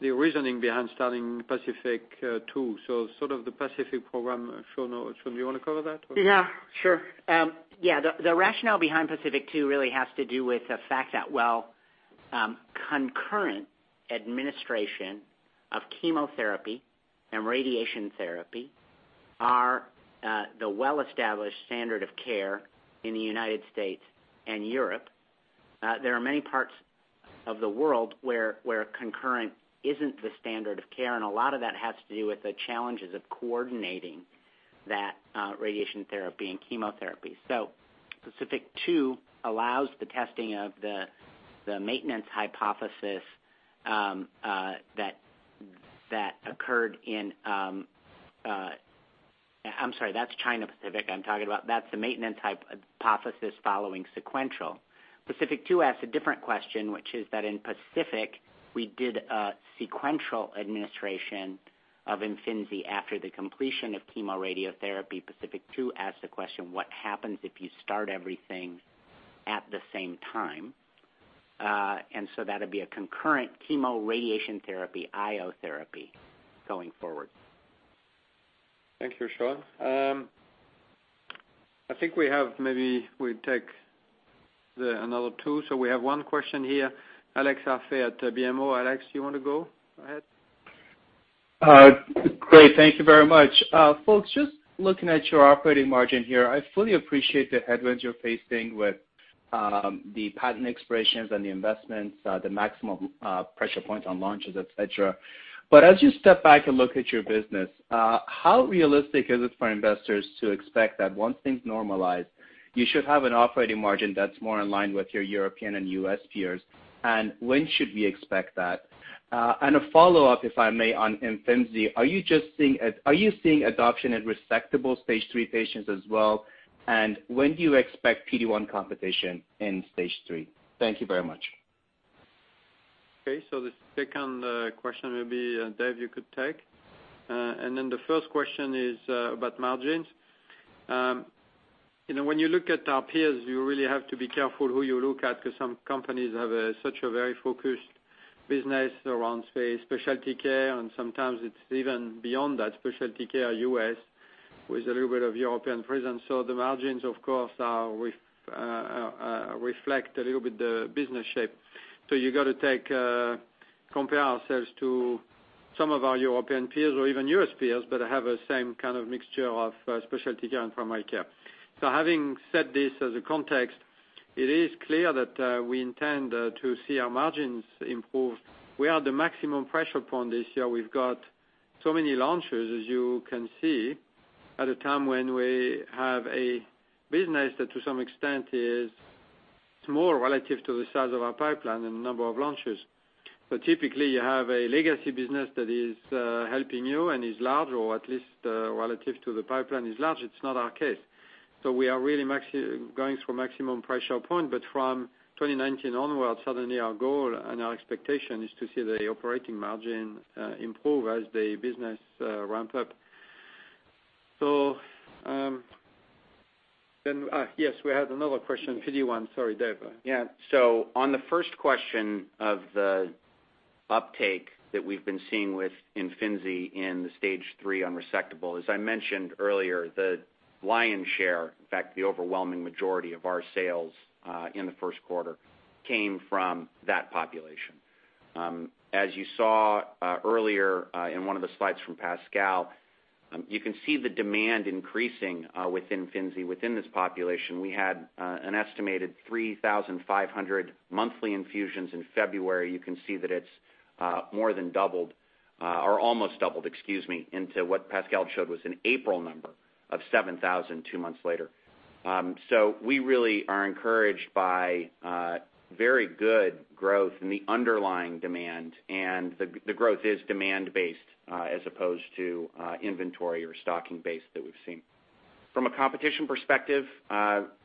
the reasoning behind starting PACIFIC-2?" Sort of the PACIFIC program. Sean, do you want to cover that or? Yeah, sure. The rationale behind PACIFIC-2 really has to do with the fact that while concurrent administration of chemotherapy and radiation therapy are the well-established standard of care in the U.S. and Europe, there are many parts of the world where concurrent isn't the standard of care, and a lot of that has to do with the challenges of coordinating that radiation therapy and chemotherapy. PACIFIC-2 allows the testing of the maintenance hypothesis that occurred in I'm sorry, that's China PACIFIC I'm talking about. That's the maintenance hypothesis following sequential. PACIFIC-2 asks a different question, which is that in PACIFIC, we did a sequential administration of IMFINZI after the completion of chemoradiotherapy. PACIFIC-2 asks the question, what happens if you start everything at the same time? That'd be a concurrent chemoradiation therapy, I-O therapy going forward. Thank you, Sean. I think we have maybe we take another two. We have one question here. Alex Arfaei at BMO. Alex, you want to go ahead? Great. Thank you very much. Folks, just looking at your operating margin here, I fully appreciate the headwinds you're facing with the patent expirations and the investments, the maximum pressure points on launches, et cetera. As you step back and look at your business, how realistic is it for investors to expect that once things normalize, you should have an operating margin that's more in line with your European and U.S. peers, and when should we expect that? A follow-up, if I may, on IMFINZI. Are you seeing adoption in resectable stage 3 patients as well, and when do you expect PD-1 competition in stage 3? Thank you very much. Okay, the second question maybe, Dave, you could take. The first question is about margins. When you look at our peers, you really have to be careful who you look at because some companies have such a very focused business around specialty care, and sometimes it's even beyond that, specialty care U.S. with a little bit of European presence. The margins, of course, reflect a little bit the business shape. You got to compare ourselves to some of our European peers or even U.S. peers, but have the same kind of mixture of specialty care and primary care. Having said this as a context, it is clear that we intend to see our margins improve. We are at the maximum pressure point this year. We've got so many launches, as you can see, at a time when we have a business that, to some extent, is small relative to the size of our pipeline and number of launches. Typically, you have a legacy business that is helping you and is large, or at least relative to the pipeline is large. It's not our case. We are really going through a maximum pressure point, but from 2019 onwards, suddenly our goal and our expectation is to see the operating margin improve as the business ramp up. Yes, we had another question, PD-1. Sorry, Dave. Yeah. On the first question of the uptake that we've been seeing with IMFINZI in the stage 3 unresectable, as I mentioned earlier, the lion's share, in fact, the overwhelming majority of our sales in the first quarter came from that population. As you saw earlier in one of the slides from Pascal, you can see the demand increasing with IMFINZI within this population. We had an estimated 3,500 monthly infusions in February. You can see that it's more than doubled, or almost doubled, excuse me, into what Pascal showed was an April number. Of 7,000 two months later. We really are encouraged by very good growth in the underlying demand, and the growth is demand-based, as opposed to inventory or stocking base that we've seen. From a competition perspective,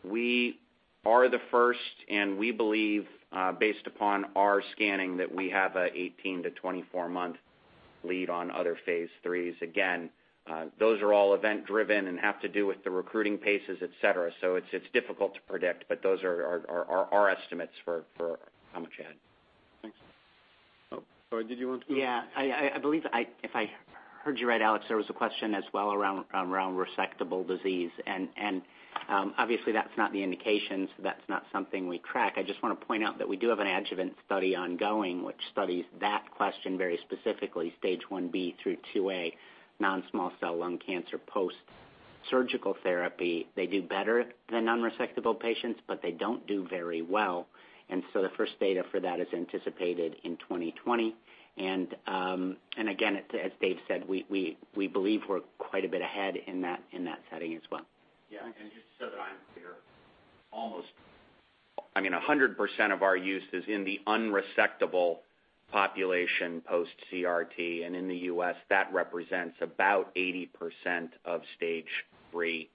we are the first, and we believe, based upon our scanning, that we have an 18-24-month lead on other phase IIIs. Again, those are all event-driven and have to do with the recruiting paces, et cetera. It's difficult to predict, but those are our estimates for how much ahead. Thanks. Oh, sorry, did you want to- Yeah. I believe, if I heard you right, Alex, there was a question as well around resectable disease. Obviously, that's not the indication, so that's not something we track. I just want to point out that we do have an adjuvant study ongoing, which studies that question very specifically, stage 1B through 2A, non-small cell lung cancer, post-surgical therapy. They do better than non-resectable patients, but they don't do very well. So the first data for that is anticipated in 2020. Again, as Dave said, we believe we're quite a bit ahead in that setting as well. Yeah. Just so that I'm clear, almost 100% of our use is in the unresectable population post-CRT. In the U.S., that represents about 80% of stage 3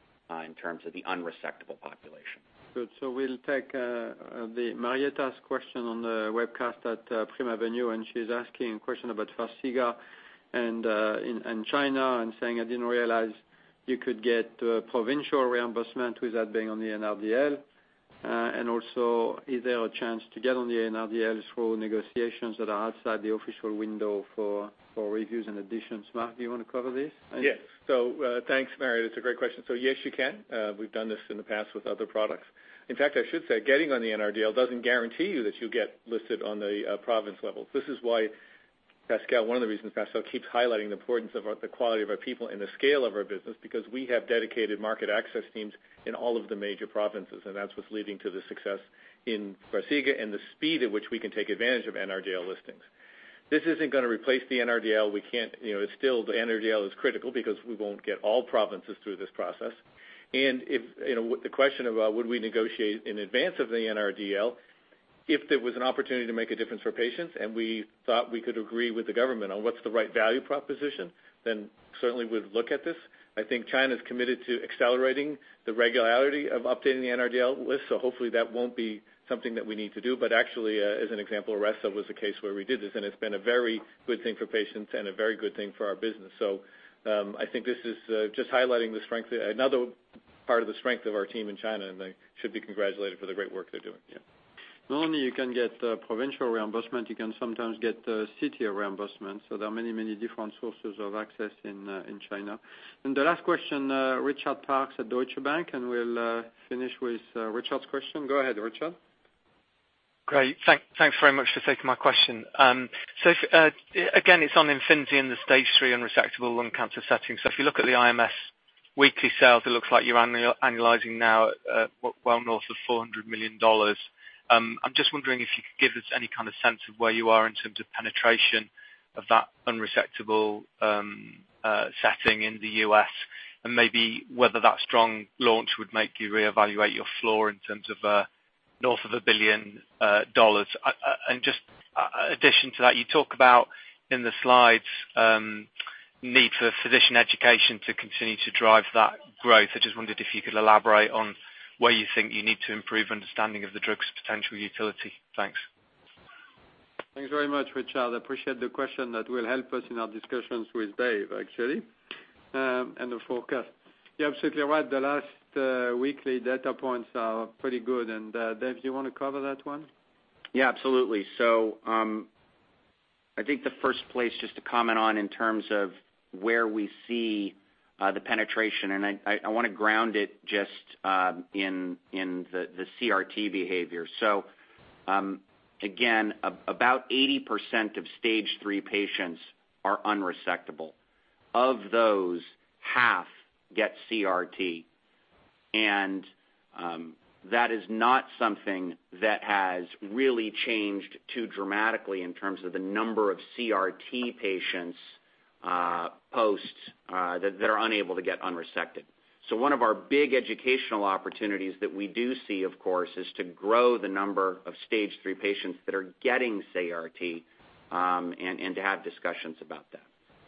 in terms of the unresectable population. Good. We'll take Marietta's question on the webcast at Primavenue, she's asking a question about FARXIGA in China and saying, "I didn't realize you could get provincial reimbursement without being on the NRDL." Also, is there a chance to get on the NRDL through negotiations that are outside the official window for reviews and additions? Mark, do you want to cover this? Yes. Thanks, Marietta. It's a great question. Yes, you can. We've done this in the past with other products. In fact, I should say, getting on the NRDL doesn't guarantee you that you'll get listed on the province levels. This is one of the reasons Pascal Soriot keeps highlighting the importance of the quality of our people and the scale of our business, because we have dedicated market access teams in all of the major provinces, and that's what's leading to the success in FARXIGA and the speed at which we can take advantage of NRDL listings. This isn't going to replace the NRDL. The NRDL is critical because we won't get all provinces through this process. The question about would we negotiate in advance of the NRDL, if there was an opportunity to make a difference for patients, and we thought we could agree with the government on what's the right value proposition, then certainly we'd look at this. I think China's committed to accelerating the regularity of updating the NRDL list, hopefully that won't be something that we need to do. Actually, as an example, Restav was a case where we did this, and it's been a very good thing for patients and a very good thing for our business. I think this is just highlighting another part of the strength of our team in China, and they should be congratulated for the great work they're doing. Yeah. Not only you can get provincial reimbursement, you can sometimes get city reimbursement. There are many different sources of access in China. The last question, Richard Parkes at Deutsche Bank, and we'll finish with Richard's question. Go ahead, Richard. Great. Thanks very much for taking my question. Again, it's on IMFINZI in the stage 3 unresectable lung cancer setting. If you look at the IMS Health weekly sales, it looks like you're annualizing now well north of $400 million. I'm just wondering if you could give us any kind of sense of where you are in terms of penetration of that unresectable setting in the U.S., and maybe whether that strong launch would make you reevaluate your floor in terms of north of $1 billion. Just addition to that, you talk about, in the slides, need for physician education to continue to drive that growth. I just wondered if you could elaborate on where you think you need to improve understanding of the drug's potential utility. Thanks. Thanks very much, Richard. Appreciate the question that will help us in our discussions with Dave, actually, and the forecast. You're absolutely right. The last weekly data points are pretty good and Dave, do you want to cover that one? Yeah, absolutely. I think the first place just to comment on in terms of where we see the penetration, and I want to ground it just in the CRT behavior. Again, about 80% of stage 3 patients are unresectable. Of those, half get CRT, and that is not something that has really changed too dramatically in terms of the number of CRT patients post that are unable to get unresected. One of our big educational opportunities that we do see, of course, is to grow the number of stage 3 patients that are getting CRT, and to have discussions about that.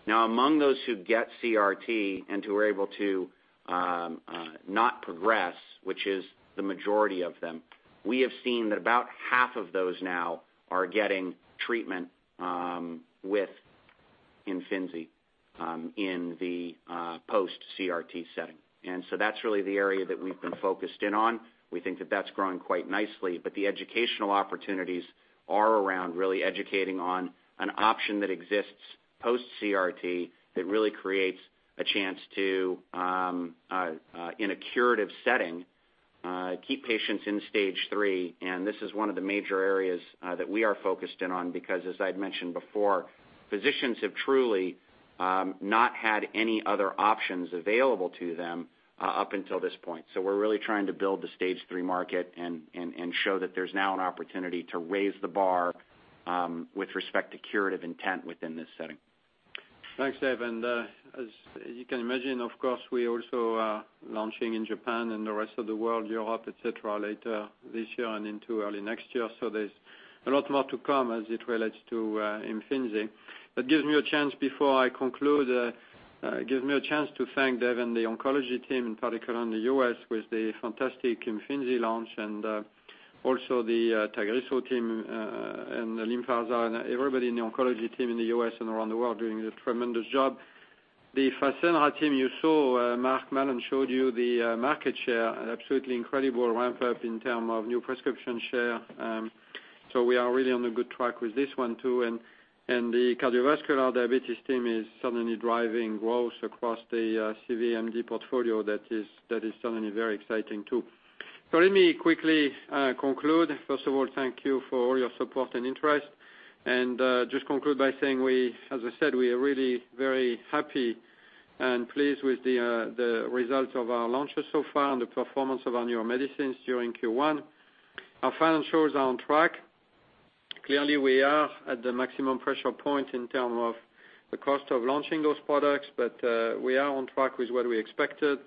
Now, among those who get CRT and who are able to not progress, which is the majority of them, we have seen that about half of those now are getting treatment with IMFINZI in the post CRT setting. That's really the area that we've been focused in on. We think that that's growing quite nicely, but the educational opportunities are around really educating on an option that exists post CRT that really creates a chance to, in a curative setting, keep patients in stage 3. This is one of the major areas that we are focused in on because as I'd mentioned before, physicians have truly not had any other options available to them up until this point. We're really trying to build the stage 3 market and show that there's now an opportunity to raise the bar with respect to curative intent within this setting. Thanks, Dave. As you can imagine, of course, we also are launching in Japan and the rest of the world, Europe, et cetera, later this year and into early next year. There's a lot more to come as it relates to IMFINZI. That gives me a chance before I conclude, gives me a chance to thank Dave and the oncology team, in particular in the U.S., with the fantastic IMFINZI launch and also the TAGRISSO team and the LYNPARZA and everybody in the oncology team in the U.S. and around the world doing a tremendous job. The FASENRA team you saw, Mark Mallon showed you the market share, absolutely incredible ramp-up in terms of new prescription share. We are really on a good track with this one, too. The cardiovascular diabetes team is certainly driving growth across the CVRM portfolio that is certainly very exciting, too. Let me quickly conclude. First of all, thank you for all your support and interest, just conclude by saying, as I said, we are really very happy and pleased with the results of our launches so far and the performance of our newer medicines during Q1. Our financials are on track. Clearly, we are at the maximum pressure point in terms of the cost of launching those products, but we are on track with what we expected.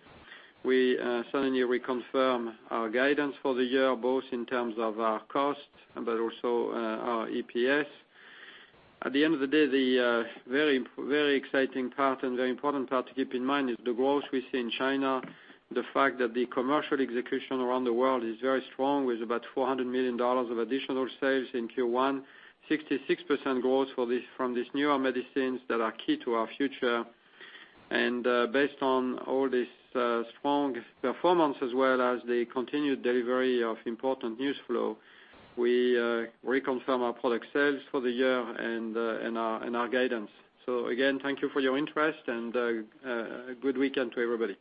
We certainly reconfirm our guidance for the year, both in terms of our cost, but also our EPS. At the end of the day, the very exciting part and very important part to keep in mind is the growth we see in China, the fact that the commercial execution around the world is very strong with about $400 million of additional sales in Q1, 66% growth from these newer medicines that are key to our future. Based on all this strong performance as well as the continued delivery of important news flow, we reconfirm our product sales for the year and our guidance. Again, thank you for your interest and good weekend to everybody.